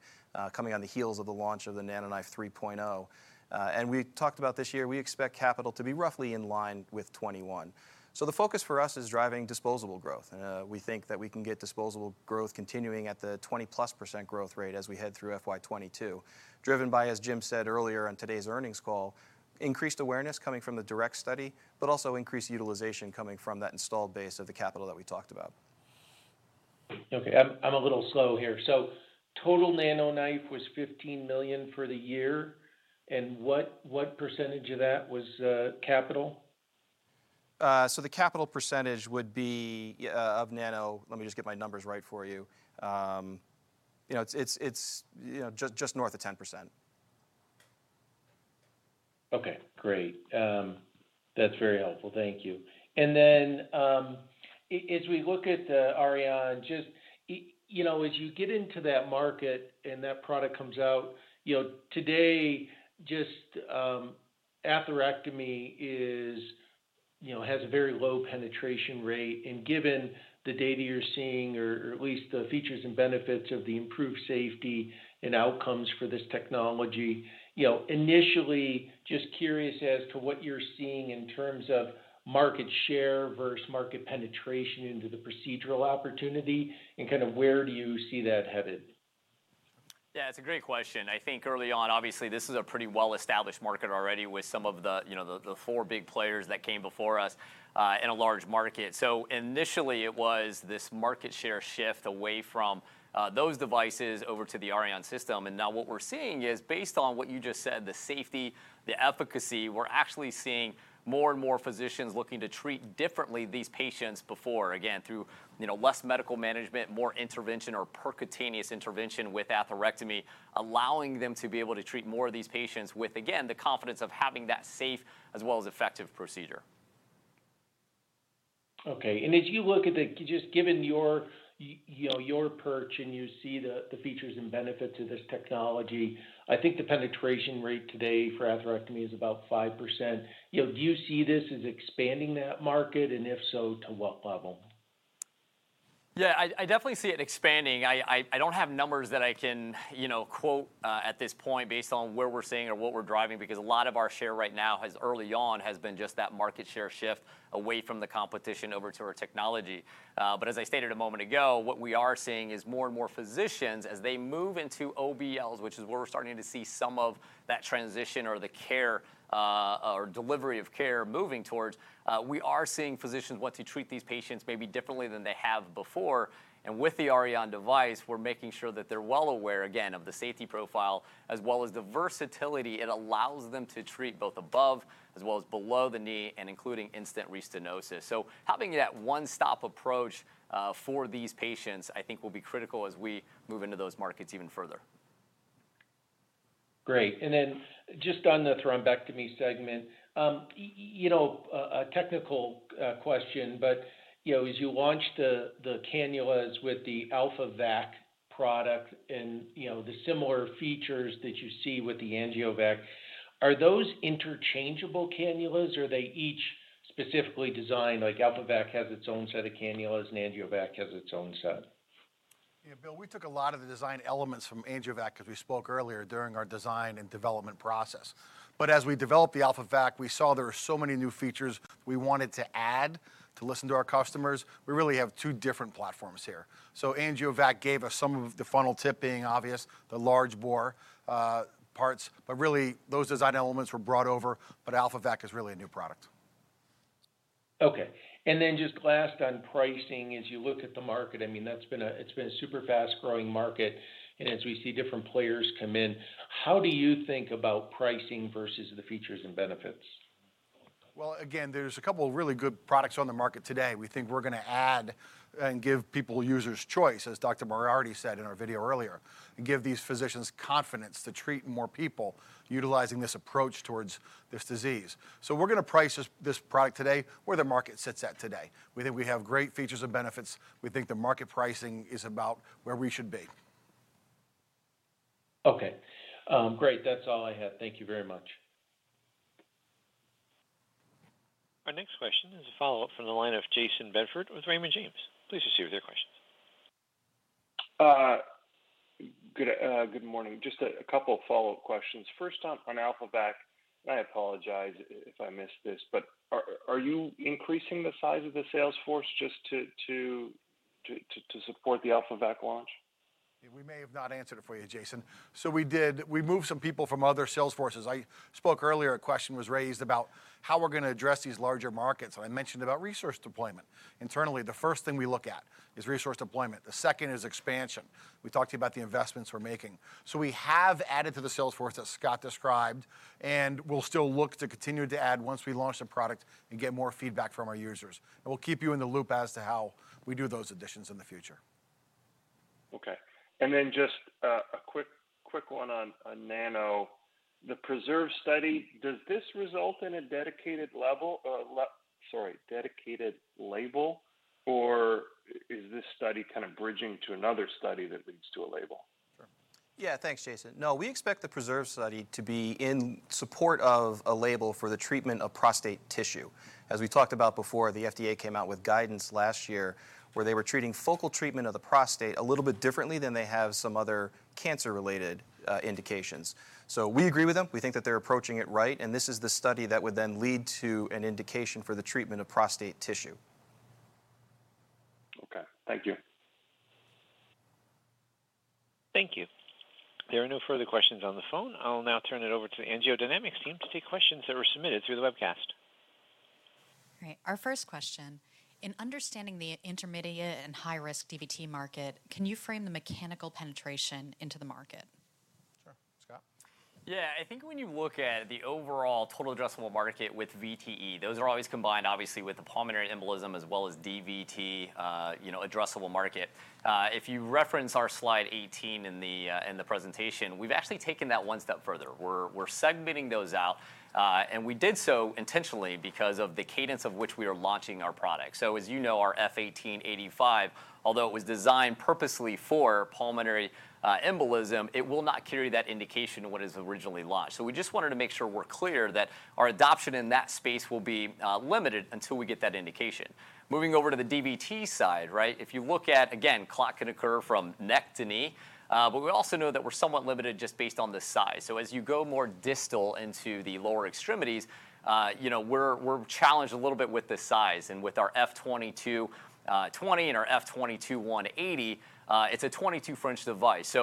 coming on the heels of the launch of the NanoKnife 3.0. We talked about this year, we expect capital to be roughly in line with 2021. The focus for us is driving disposable growth. We think that we can get disposable growth continuing at the 20%-plus growth rate as we head through FY 2022, driven by, as Jim said earlier on today's earnings call, increased awareness coming from the DIRECT Study, but also increased utilization coming from that installed base of the capital that we talked about. Okay. I'm a little slow here. Total NanoKnife was $15 million for the year, and what % of that was capital? The capital percentage would be of Nano-, let me just get my numbers right for you. It's just north of 10%. Okay, great. That's very helpful. Thank you. As we look at the Auryon, as you get into that market and that product comes out, today, atherectomy has a very low penetration rate, and given the data you're seeing, or at least the features and benefits of the improved safety and outcomes for this technology, initially, just curious as to what you're seeing in terms of market share versus market penetration into the procedural opportunity, and where do you see that headed? Yeah, it's a great question. I think early on, obviously, this is a pretty well-established market already with some of the four big players that came before us in a large market. Initially, it was this market share shift away from those devices over to the Auryon system. Now what we're seeing is based on what you just said, the safety, the efficacy, we're actually seeing more and more physicians looking to treat differently these patients before. Again, through less medical management, more intervention or percutaneous intervention with atherectomy, allowing them to be able to treat more of these patients with, again, the confidence of having that safe as well as effective procedure. Okay. If you look at it, just given your perch and you see the features and benefits of this technology, I think the penetration rate today for atherectomy is about 5%. Do you see this as expanding that market, and if so, to what level? Yeah, I definitely see it expanding. I don't have numbers that I can quote at this point based on where we're sitting or what we're driving, because a lot of our share right now early on has been just that market share shift away from the competition over to our technology. As I stated a moment ago, what we are seeing is more and more physicians as they move into OBLs, which is where we're starting to see some of that transition or the delivery of care moving towards. We are seeing physicians wanting to treat these patients maybe differently than they have before. With the Auryon device, we're making sure that they're well aware, again, of the safety profile as well as the versatility it allows them to treat both above as well as below the knee and including in-stent restenosis. Having that one-stop approach for these patients I think will be critical as we move into those markets even further. Great. Then just on the thrombectomy segment, a technical question, but as you launch the cannulas with the AlphaVac product and the similar features that you see with the AngioVac, are those interchangeable cannulas or are they each specifically designed like AlphaVac has its own set of cannulas and AngioVac has its own set? Yeah, Bill, we took a lot of the design elements from AngioVac as we spoke earlier during our design and development process. As we developed the AlphaVac, we saw there were so many new features we wanted to add to listen to our customers. We really have two different platforms here. AngioVac gave us some of the funnel tip being obvious, the large bore parts, but really those design elements were brought over, but AlphaVac is really a new product. Okay. Just last on pricing, as you look at the market, it's been a super fast-growing market, and as we see different players come in, how do you think about pricing versus the features and benefits? Well, again, there's a couple of really good products on the market today. We think we're going to add and give people user's choice, as Dr. Moriarty said in our video earlier, and give these physicians confidence to treat more people utilizing this approach towards this disease. We're going to price this product today where the market sits at today. We think we have great features and benefits. We think the market pricing is about where we should be. Okay. Great. That's all I have. Thank you very much. Our next question is a follow-up from the line of Jayson Bedford with Raymond James. Please proceed with your question. Good morning. Just a couple of follow-up questions. First on AlphaVac, and I apologize if I missed this, but are you increasing the size of the sales force just to support the AlphaVac launch? Yeah, we may have not answered it for you, Jayson. We moved some people from other sales forces. I spoke earlier, a question was raised about how we're going to address these larger markets, and I mentioned about resource deployment. Internally, the first thing we look at is resource deployment. The second is expansion. We talked about the investments we're making. We have added to the sales force as Scott Centea described, and we'll still look to continue to add once we launch the product and get more feedback from our users. We'll keep you in the loop as to how we do those additions in the future. Okay. Then just a quick one on Nano. The PRESERVE study, does this result in a dedicated label, or is this study kind of bridging to another study that leads to a label? Sure. Thanks, Jayson. We expect the PRESERVE study to be in support of a label for the treatment of prostate tissue. As we talked about before, the FDA came out with guidance last year where they were treating focal treatment of the prostate a little bit differently than they have some other cancer-related indications. We agree with them. We think that they're approaching it right. This is the study that would then lead to an indication for the treatment of prostate tissue. Okay. Thank you. Thank you. There are no further questions on the phone. I'll now turn it over to AngioDynamics Inc. to take questions that were submitted through the webcast. All right, our first question. In understanding the intermediate and high-risk DVT market, can you frame the mechanical penetration into the market? Sure. Scott? Yeah. I think when you look at the overall total addressable market with VTE, those are always combined obviously with the pulmonary embolism as well as DVT addressable market. If you reference our slide 18 in the presentation, we've actually taken that 1 step further. We're segmenting those out. We did so intentionally because of the cadence of which we are launching our product. As you know, our F1885, although it was designed purposely for pulmonary embolism, it will not carry that indication when it's originally launched. We just wanted to make sure we're clear that our adoption in that space will be limited until we get that indication. Moving over to the DVT side, right? If you look at, again, clot can occur from neck to knee. We also know that we're somewhat limited just based on the size. As you go more distal into the lower extremities, we're challenged a little bit with the size and with our F2220 and our F22180, it's a 22-French device.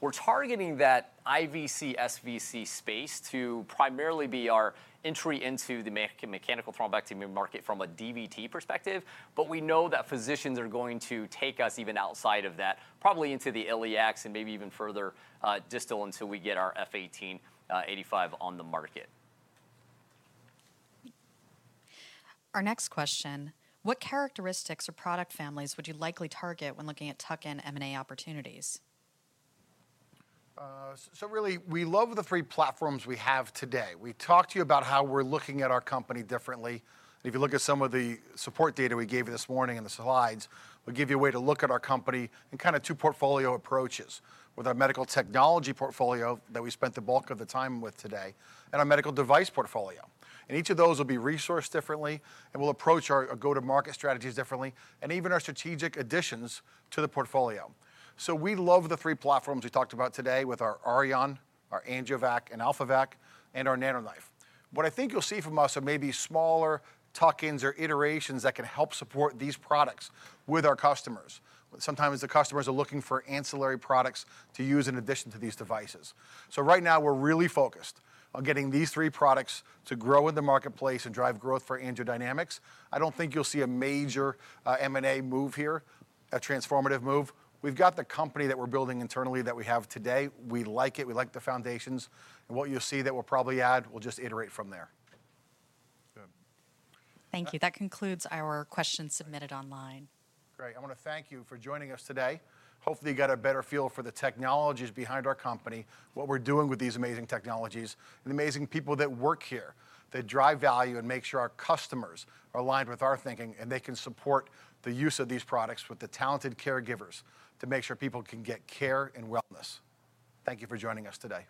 We're targeting that IVC SVC space to primarily be our entry into the mechanical thrombectomy market from a DVT perspective. We know that physicians are going to take us even outside of that, probably into the iliacs and maybe even further distal until we get our F18-85 on the market. Our next question. What characteristics or product families would you likely target when looking at tuck-in M&A opportunities? Really, we love the 3 platforms we have today. We talked to you about how we're looking at our company differently. If you look at some of the support data we gave you this morning in the slides, we give you a way to look at our company in kind of 2 portfolio approaches. With our medical technology portfolio that we spent the bulk of the time with today and our medical device portfolio. Each of those will be resourced differently, and we'll approach our go-to-market strategies differently, and even our strategic additions to the portfolio. We love the 3 platforms we talked about today with our Auryon, our AngioVac and AlphaVac, and our NanoKnife. What I think you'll see from us are maybe smaller tuck-ins or iterations that can help support these products with our customers. Sometimes the customers are looking for ancillary products to use in addition to these devices. Right now we're really focused on getting these three products to grow in the marketplace and drive growth for AngioDynamics. I don't think you'll see a major M&A move here, a transformative move. We've got the company that we're building internally that we have today. We like it. We like the foundations. What you'll see that we'll probably add, we'll just iterate from there. Yeah. Thank you. That concludes our questions submitted online. Great. I want to thank you for joining us today. Hopefully, you got a better feel for the technologies behind our company, what we're doing with these amazing technologies, and the amazing people that work here that drive value and make sure our customers are aligned with our thinking, and they can support the use of these products with the talented caregivers to make sure people can get care and wellness. Thank you for joining us today.